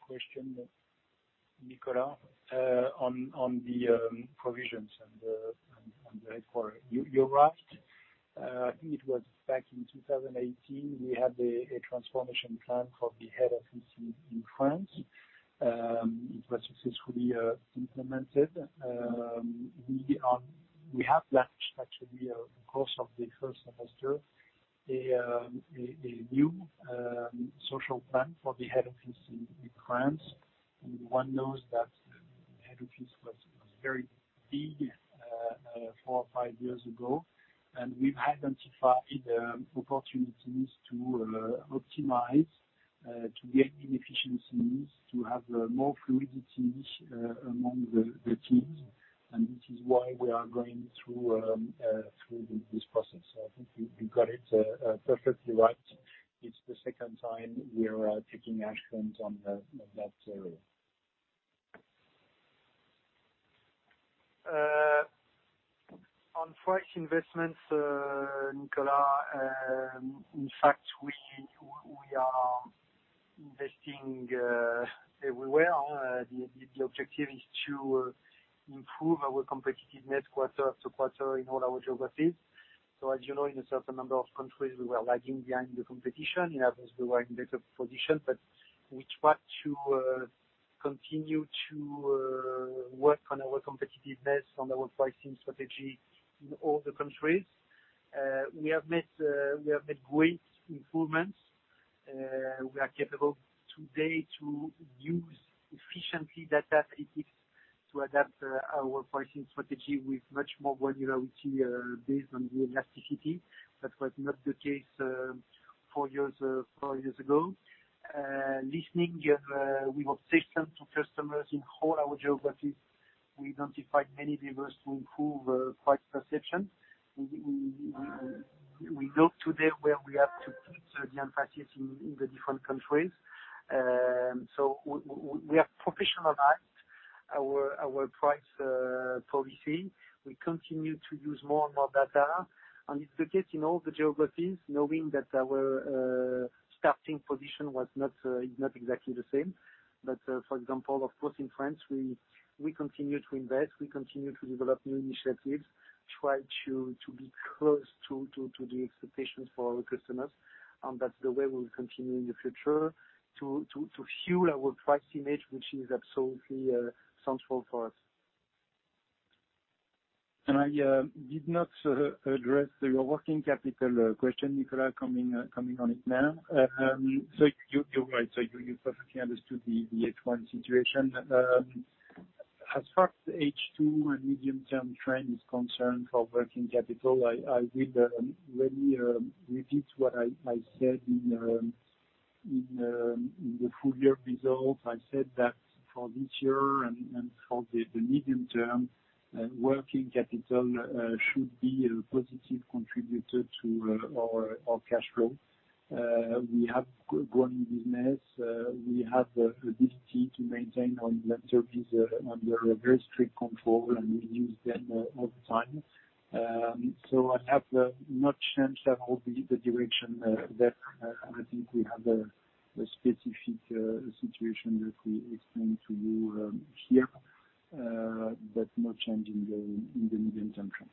question, Nicolas, on the provisions and the headquarters. You're right. I think it was back in 2018, we had a transformation plan for the head office in France. It was successfully implemented. We have launched actually, the course of the first semester, a new social plan for the head office in France. One knows that head office was very big four or five years ago. We've identified opportunities to optimize, to gain inefficiencies, to have more fluidity among the teams, and this is why we are going through this process. I think you got it perfectly right. It's the second time we are taking actions on that area. On price investments, Nicolas, in fact, we are investing everywhere. The objective is to improve our competitiveness quarter to quarter in all our geographies. As you know, in a certain number of countries, we were lagging behind the competition. In others, we were in better position. We try to continue to work on our competitiveness, on our pricing strategy in all the countries. We have made great improvements. We are capable today to use efficiently data analytics to adapt our pricing strategy with much more granularity based on the elasticity. That was not the case four years ago. Listening, we have listened to customers in all our geographies. We identified many levers to improve price perception. We know today where we have to put the emphasis in the different countries. We have professionalized our price policy. We continue to use more and more data, and it's the case in all the geographies, knowing that our starting position was not exactly the same. For example, of course, in France, we continue to invest, we continue to develop new initiatives, try to be close to the expectations for our customers. That's the way we'll continue in the future to fuel our price image, which is absolutely central for us.
I did not address your working capital question, Nicolas. Coming on it now. You're right. You perfectly understood the H1 situation. As far as H2 and medium-term trend is concerned for working capital, I will really repeat what I said in the full-year results. I said that for this year and for the medium term, working capital should be a positive contributor to our cash flow. We have growing business. We have a discipline to maintain on inventories under a very strict control, and we use them all the time. I have not changed at all the direction there. I think we have a specific situation that we explained to you here, but no change in the medium term trend.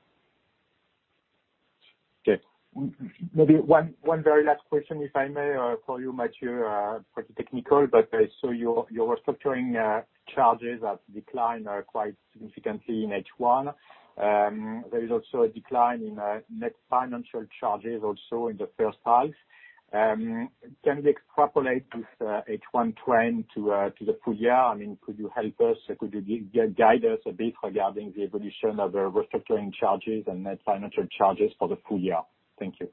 Okay. Maybe one very last question, if I may, for you, Matthieu, pretty technical, but I saw your restructuring charges have declined quite significantly in H1. There is also a decline in net financial charges also in the 1st half. Can we extrapolate this H1 trend to the full year? Could you help us, could you guide us a bit regarding the evolution of the restructuring charges and net financial charges for the full year? Thank you.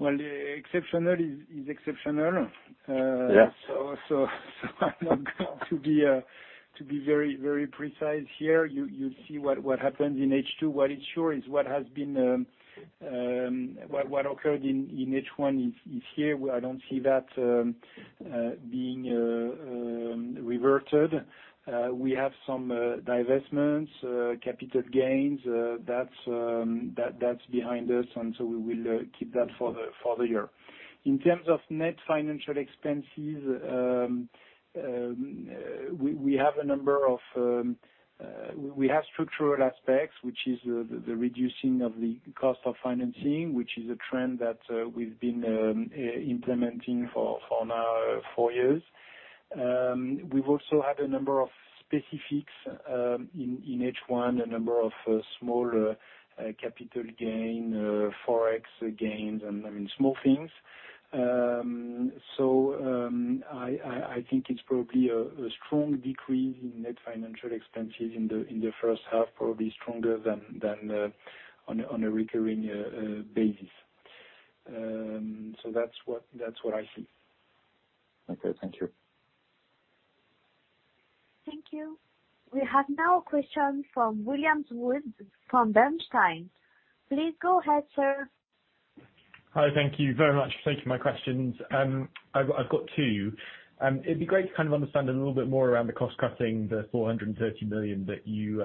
Well, exceptional is exceptional.
Yeah.
I'm not going to be very precise here. You'll see what happens in H2. What is sure is what occurred in H1 is here. I don't see that being reverted. We have some divestments, capital gains. That's behind us, we will keep that for the year. In terms of net financial expenses, we have structural aspects, which is the reducing of the cost of financing, which is a trend that we've been implementing for now four years. We've also had a number of specifics in H1, a number of small capital gain, ForEx gains, and small things. I think it's probably a strong decrease in net financial expenses in the first half, probably stronger than on a recurring basis. That's what I see.
Okay, thank you.
Thank you. We have now a question from William Woods from Bernstein. Please go ahead, sir.
Hi, thank you very much for taking my questions. I've got two. It'd be great to kind of understand a little bit more around the cost cutting, the 430 million that you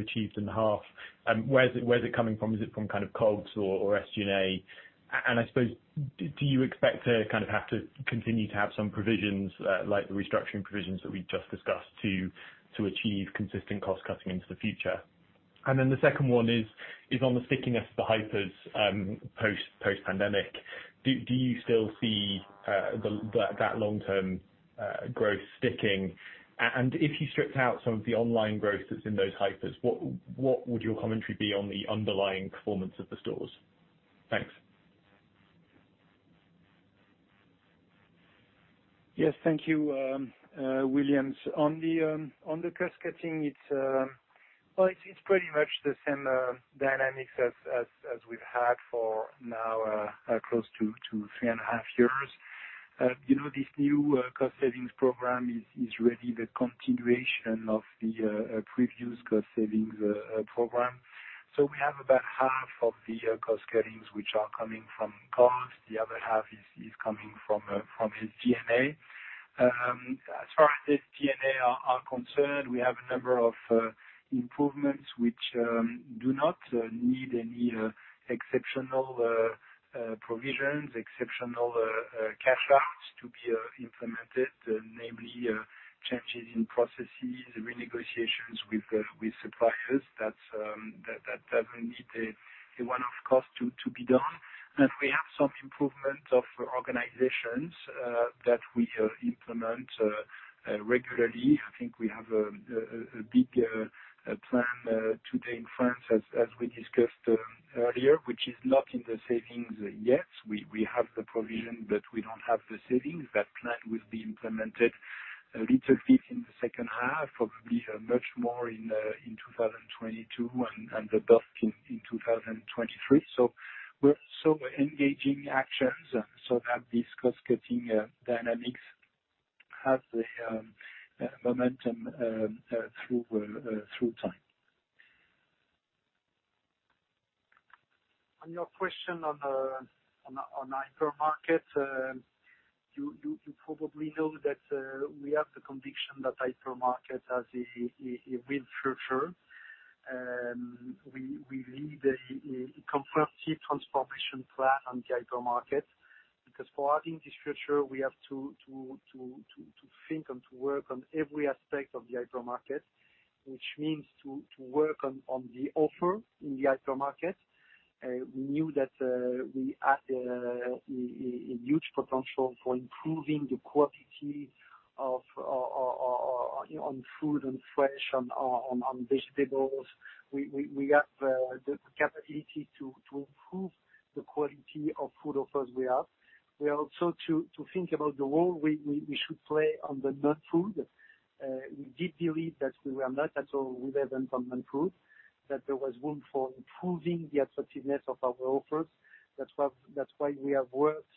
achieved in the half. Where's it coming from? Is it from COGS or SG&A? I suppose, do you expect to kind of have to continue to have some provisions, like the restructuring provisions that we just discussed, to achieve consistent cost cutting into the future? The second one is on the stickiness of the hypers post-pandemic. Do you still see that long-term growth sticking? If you stripped out some of the online growth that's in those hypers, what would your commentary be on the underlying performance of the stores? Thanks.
Yes. Thank you, William. On the cost-cutting, it's pretty much the same dynamics as we've had for now close to three and a half years. This new cost savings program is really the continuation of the previous cost savings program. We have about half of the cost-cuttings which are coming from costs. The other half is coming from SG&A. As far as SG&A are concerned, we have a number of improvements which do not need any exceptional provisions, exceptional CapEx to be implemented, namely changes in processes, renegotiations with suppliers that will need a one-off cost to be done. We have some improvement of organizations that we implement regularly. I think we have a big plan today in France as we discussed earlier, which is not in the savings yet. We have the provision. We don't have the savings. That plan will be implemented a little bit in the second half, probably much more in 2022 and the bulk in 2023. We're engaging actions so that these cost-cutting dynamics have the momentum through time. On your question on hypermarket, you probably know that we have the conviction that hypermarket has a real future. We lead a comprehensive transformation plan on the hypermarket, because for having this future, we have to think and to work on every aspect of the hypermarket, which means to work on the offer in the hypermarket. We knew that we had a huge potential for improving the quality on food and fresh and on vegetables. We have the capability to improve the quality of food offers we have. We also to think about the role we should play on the non-food. We did believe that we were not at all relevant on non-food, that there was room for improving the attractiveness of our offers. That's why we have worked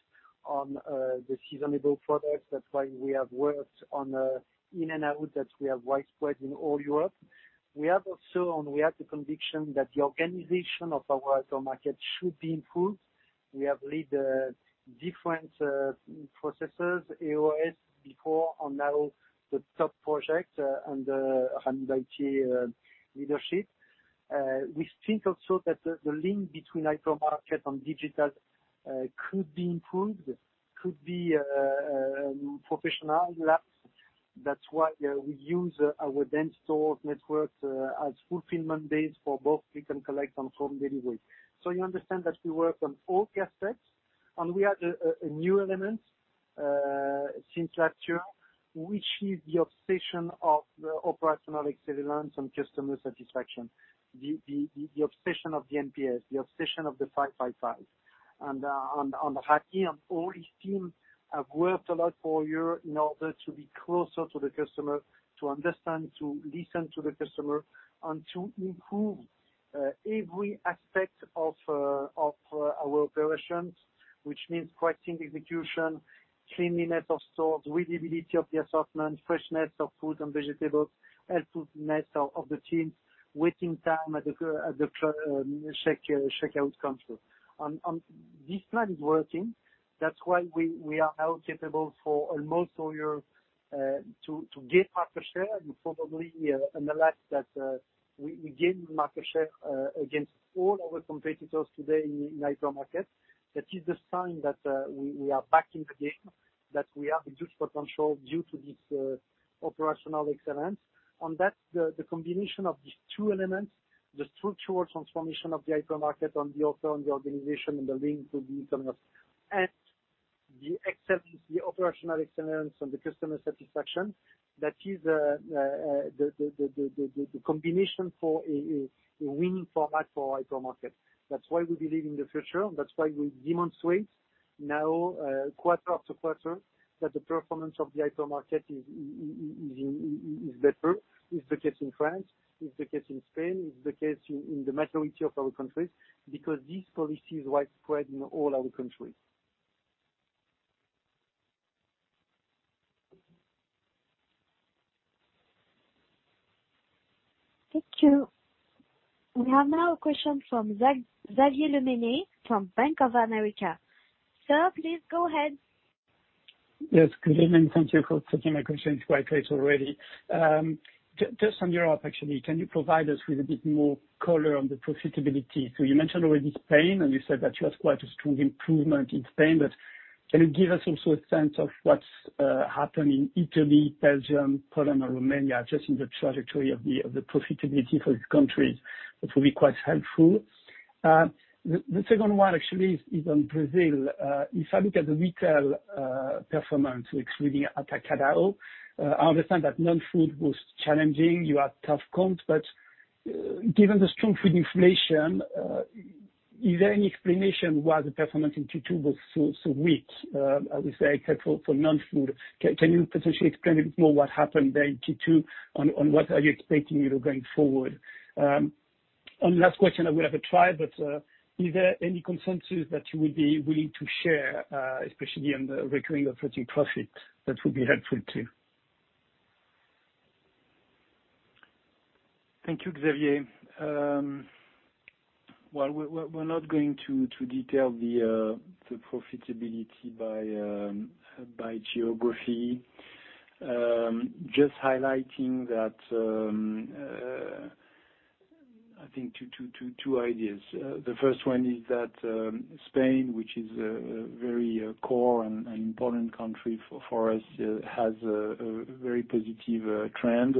on the seasonable products. That's why we have worked on the in and out that we have widespread in all Europe. We have also, we have the conviction that the organization of our hypermarket should be improved. We have led different processes, AOS before, and now the TOP project under Hakim leadership. We think also that the link between hypermarket and digital could be improved, could be professionalized. That's why we use our dense store networks as fulfillment base for both click and collect and home delivery. You understand that we work on all aspects, and we had a new element, since last year, which is the obsession of the operational excellence and customer satisfaction. The obsession of the NPS, the obsession of the 5-5-5. Hakim and all his team have worked a lot for a year in order to be closer to the customer, to understand, to listen to the customer, and to improve every aspect of our operations, which means questioning the execution, cleanliness of stores, readability of the assortment, freshness of food and vegetables, helpfulness of the teams, waiting time at the checkout counter. This plan is working. That's why we are now capable for almost a year, to gain market share and probably analyze that we gain market share against all our competitors today in hypermarket. That is the sign that we are back in the game, that we have a huge potential due to this operational excellence. That's the combination of these two elements, the structural transformation of the hypermarket on the offer and the organization and the link to the Internet, and the operational excellence and the customer satisfaction. That is the combination for a winning format for hypermarket. That's why we believe in the future. That's why we demonstrate now, quarter after quarter, that the performance of the hypermarket is better. It's the case in France, it's the case in Spain, it's the case in the majority of our countries, because this policy is widespread in all our countries.
Thank you. We have now a question from Xavier Le Mené from Bank of America. Sir, please go ahead.
Good evening. Thank you for taking my questions quite late already. Just on Europe, can you provide us with a bit more color on the profitability? You mentioned already Spain, and you said that you have quite a strong improvement in Spain, but can you give us also a sense of what's happened in Italy, Belgium, Poland, or Romania, just in the trajectory of the profitability for these countries, that will be quite helpful. The second one is on Brazil. If I look at the retail performance, excluding Atacadão, I understand that non-food was challenging, you had tough comp, but given the strong food inflation. Is there any explanation why the performance in Q2 was so weak, I would say, except for non-food? Can you potentially explain a bit more what happened there in Q2 and what are you expecting going forward? Last question, I would have a try, but is there any consensus that you would be willing to share, especially on the recurring operating income, that would be helpful too.
Thank you, Xavier. We're not going to detail the profitability by geography. Just highlighting that, I think two ideas. The first one is that Spain, which is a very core and important country for us, has a very positive trend.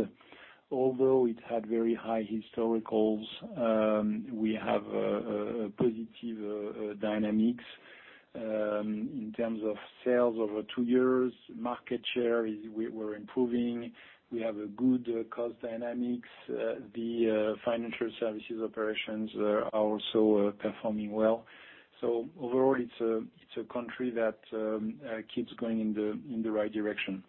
Although it had very high historicals, we have a positive dynamics in terms of sales over two years. Market share, we're improving. We have a good cost dynamics. The financial services operations are also performing well. Overall, it's a country that keeps going in the right direction.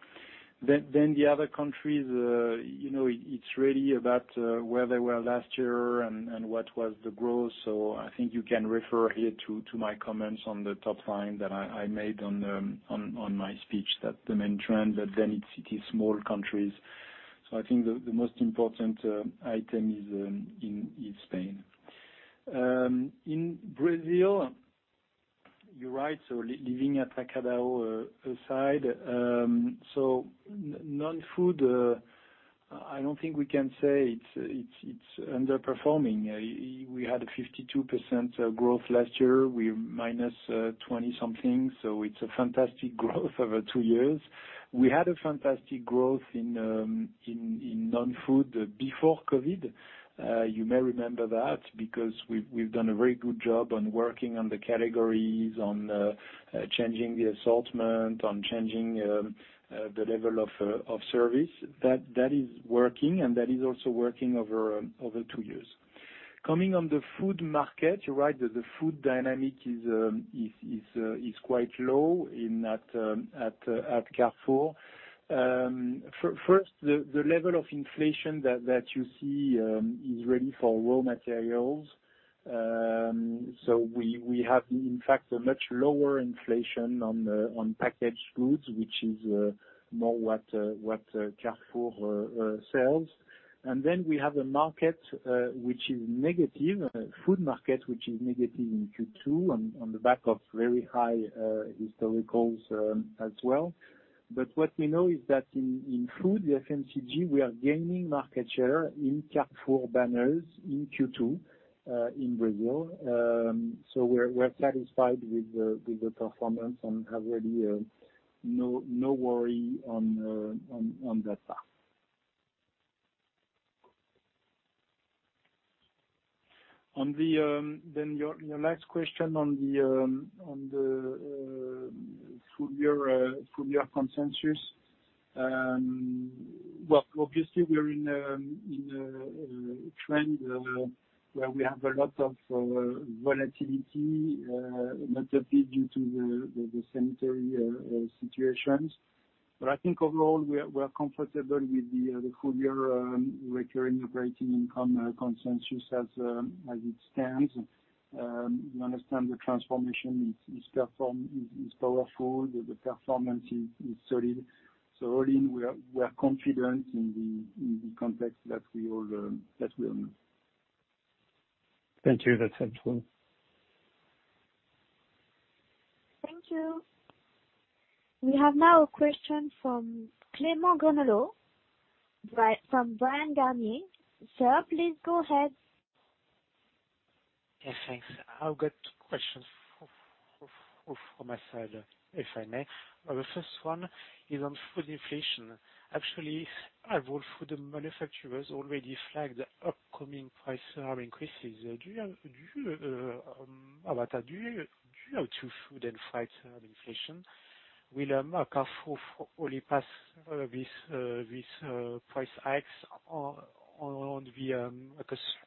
The other countries, it's really about where they were last year and what was the growth. I think you can refer here to my comments on the top line that I made on my speech that the main trend, it's small countries. I think the most important item is in Spain. In Brazil, you're right, so leaving Atacadão aside, so non-food, I don't think we can say it's underperforming. We had a 52% growth last year. We're -20 something, so it's a fantastic growth over two years. We had a fantastic growth in non-food before COVID. You may remember that because we've done a very good job on working on the categories, on changing the assortment, on changing the level of service. That is working, and that is also working over two years. Coming on the food market, you're right that the food dynamic is quite low at Carrefour. First, the level of inflation that you see is really for raw materials. We have, in fact, a much lower inflation on packaged goods, which is more what Carrefour sells. We have a market which is negative, food market, which is negative in Q2 on the back of very high historicals as well. What we know is that in food, the FMCG, we are gaining market share in Carrefour banners in Q2 in Brazil. We're satisfied with the performance and have really no worry on that part. Your next question on the full year consensus. We're in a trend where we have a lot of volatility, notably due to the sanitary situations. Overall, we are comfortable with the full year recurring operating income consensus as it stands. We understand the transformation is powerful, the performance is solid. All in, we are confident in the context that we are in.
Thank you. That's helpful.
Thank you. We have now a question from Clément Genelot from Bryan, Garnier. sir, please go ahead.
Yes, thanks. I've got two questions from my side, if I may. The first one is on food inflation. Overall food manufacturers already flagged upcoming price increases. Do you have to food inflate inflation? Will Carrefour only pass these price hikes on the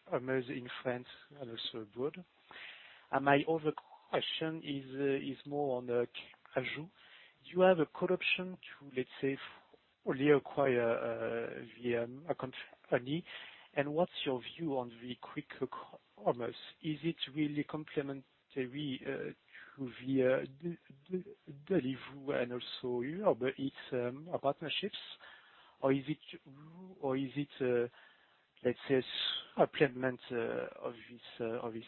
customers in France and also abroad? My other question is more on the Cajoo. Do you have a call option to, let's say, only acquire via a company? What's your view on the quick commerce? Is it really complementary to the delivery and also its partnerships? Is it, let's say, a complement of these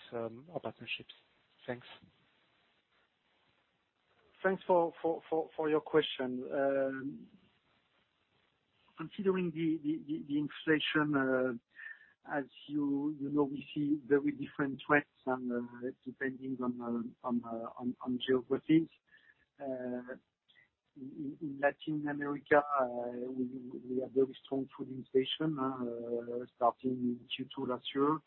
partnerships? Thanks.
Thanks for your question. Considering the inflation, as you know, we see very different trends depending on geographies. In Latin America, we have very strong food inflation, starting in Q2 last year.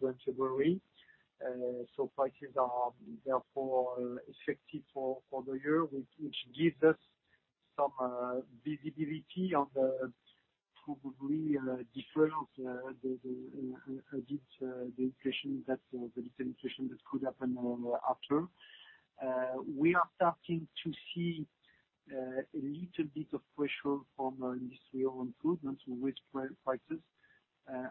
It remains above general inflation. Of course, it has a consequence on volume. That's really limited to Latin America. It's not what we see in France and Europe. We see a limited food inflation in Europe. If we focus on France, FMCG prices are, as you know, negotiated within the framework of annual negotiations from November to February. Prices are therefore effective for the year, which gives us some visibility on the probably difference, the little inflation that could happen after. We are starting to see a little bit of pressure from industrial improvements with prices,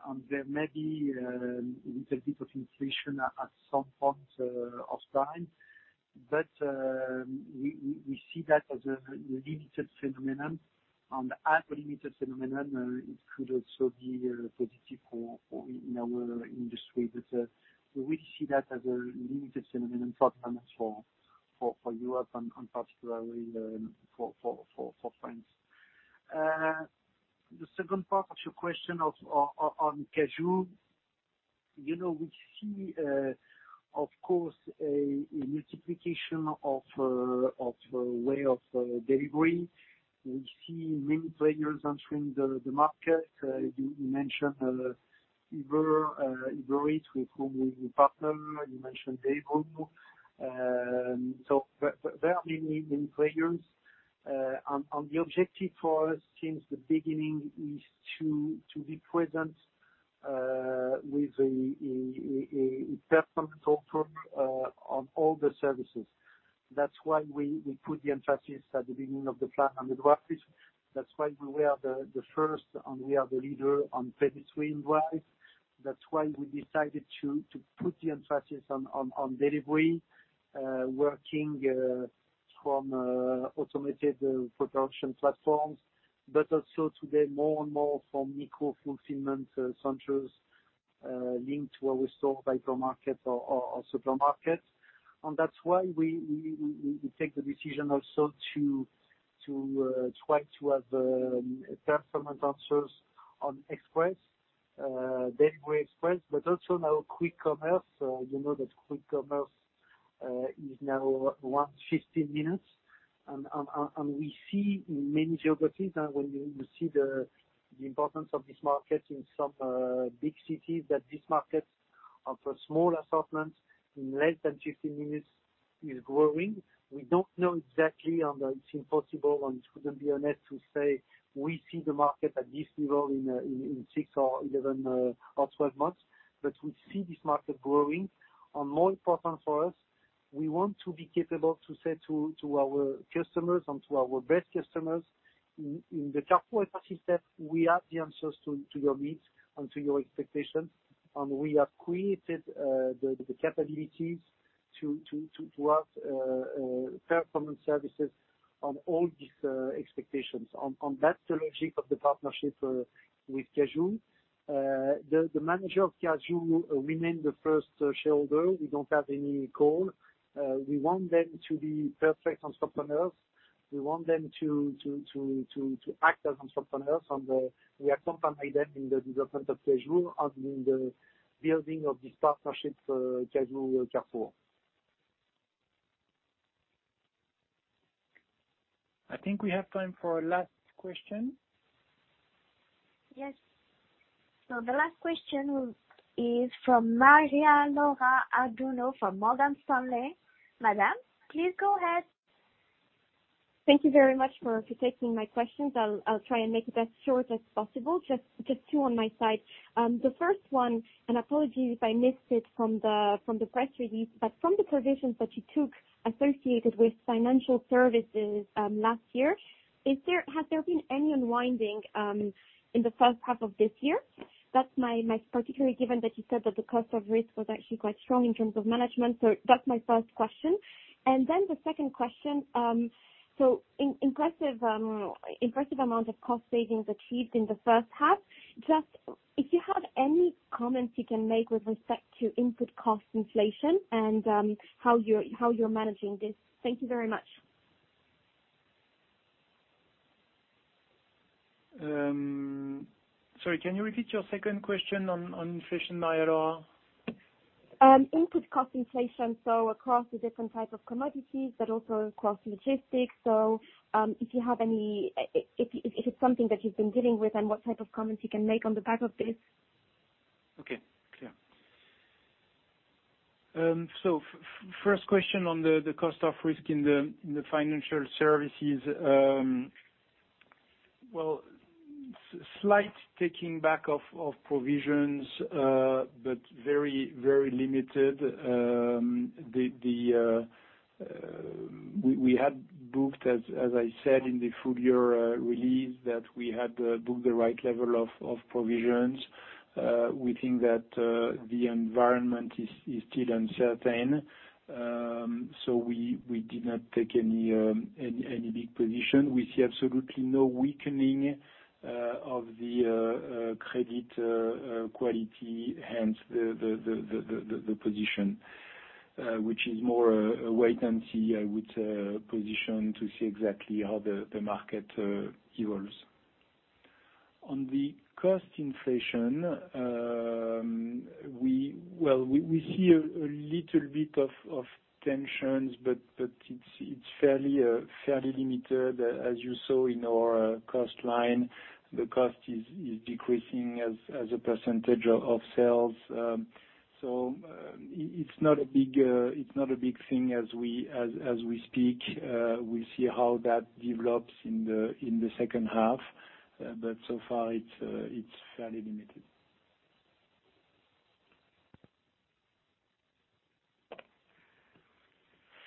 and there may be a little bit of inflation at some point of time. We see that as a limited phenomenon. As a limited phenomenon, it could also be positive in our industry. We see that as a limited phenomenon for Europe and particularly for France. The second part of your question on Cajoo. We see, of course, a multiplication of way of delivery. We see many players entering the market. You mentioned Uber Eats, with whom we partner, you mentioned Deliveroo. There are many, many players. The objective for us since the beginning is to be present with a performance offer on all the services. That's why we put the emphasis at the beginning of the plan on the groceries. That's why we were the first, and we are the leader on Drive Piéton. That's why we decided to put the emphasis on delivery, working from automated production platforms, but also today, more and more from micro-fulfillment centers linked where we store by supermarkets or supermarkets. That's why we take the decision also to try to have performance answers on express, delivery express, but also now quick commerce. You know that quick commerce is now what, 15 minutes. We see in many geographies, and when you see the importance of this market in some big cities, that this market for small assortments in less than 15 minutes is growing. We don't know exactly, and it's impossible, and it wouldn't be honest to say we see the market at this level in six or 11 or 12 months. We see this market growing. More important for us, we want to be capable to say to our customers and to our best customers in the Carrefour ecosystem, we have the answers to your needs and to your expectations, and we have created the capabilities to have performance services on all these expectations. On that, the logic of the partnership with Cajoo. The manager of Cajoo remains the first shareholder. We don't have any call. We want them to be perfect entrepreneurs. We want them to act as entrepreneurs. We have accompanied them in the development of Cajoo and in the building of this partnership, Cajoo Carrefour. I think we have time for a last question.
Yes. The last question is from Maria-Laura Adurno from Morgan Stanley. Madam, please go ahead.
Thank you very much for taking my questions. I'll try and make it as short as possible. Just two on my side. The first one, apologies if I missed it from the press release, but from the provisions that you took associated with financial services last year, has there been any unwinding in the first half of this year? Particularly given that you said that the cost of risk was actually quite strong in terms of management. That's my first question. The second question. Impressive amount of cost savings achieved in the first half. Just if you have any comments you can make with respect to input cost inflation and how you're managing this. Thank you very much.
Sorry, can you repeat your second question on inflation, Maria?
Input cost inflation, across the different types of commodities, but also across logistics. If it's something that you've been dealing with and what type of comments you can make on the back of this?
Okay. Clear. First question on the cost of risk in the financial services. Well, slight taking back of provisions, but very, very limited. We had booked, as I said in the full-year release, that we had booked the right level of provisions. We think that the environment is still uncertain. We did not take any big position. We see absolutely no weakening of the credit quality, hence the position, which is more a wait and see, I would, position to see exactly how the market evolves. On the cost inflation, we see a little bit of tensions, but it's fairly limited. As you saw in our cost line, the cost is decreasing as a % of sales. It's not a big thing as we speak. We'll see how that develops in the second half. So far it's fairly limited.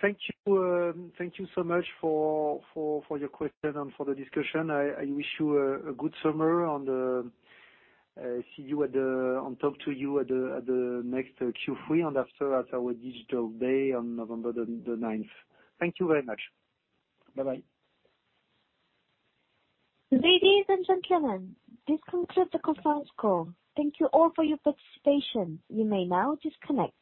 Thank you so much for your question and for the discussion. I wish you a good summer, and see you and talk to you at the next Q3 and after at our digital day on November 9th. Thank you very much. Bye-bye.
Ladies and gentlemen, this concludes the conference call. Thank you all for your participation. You may now disconnect.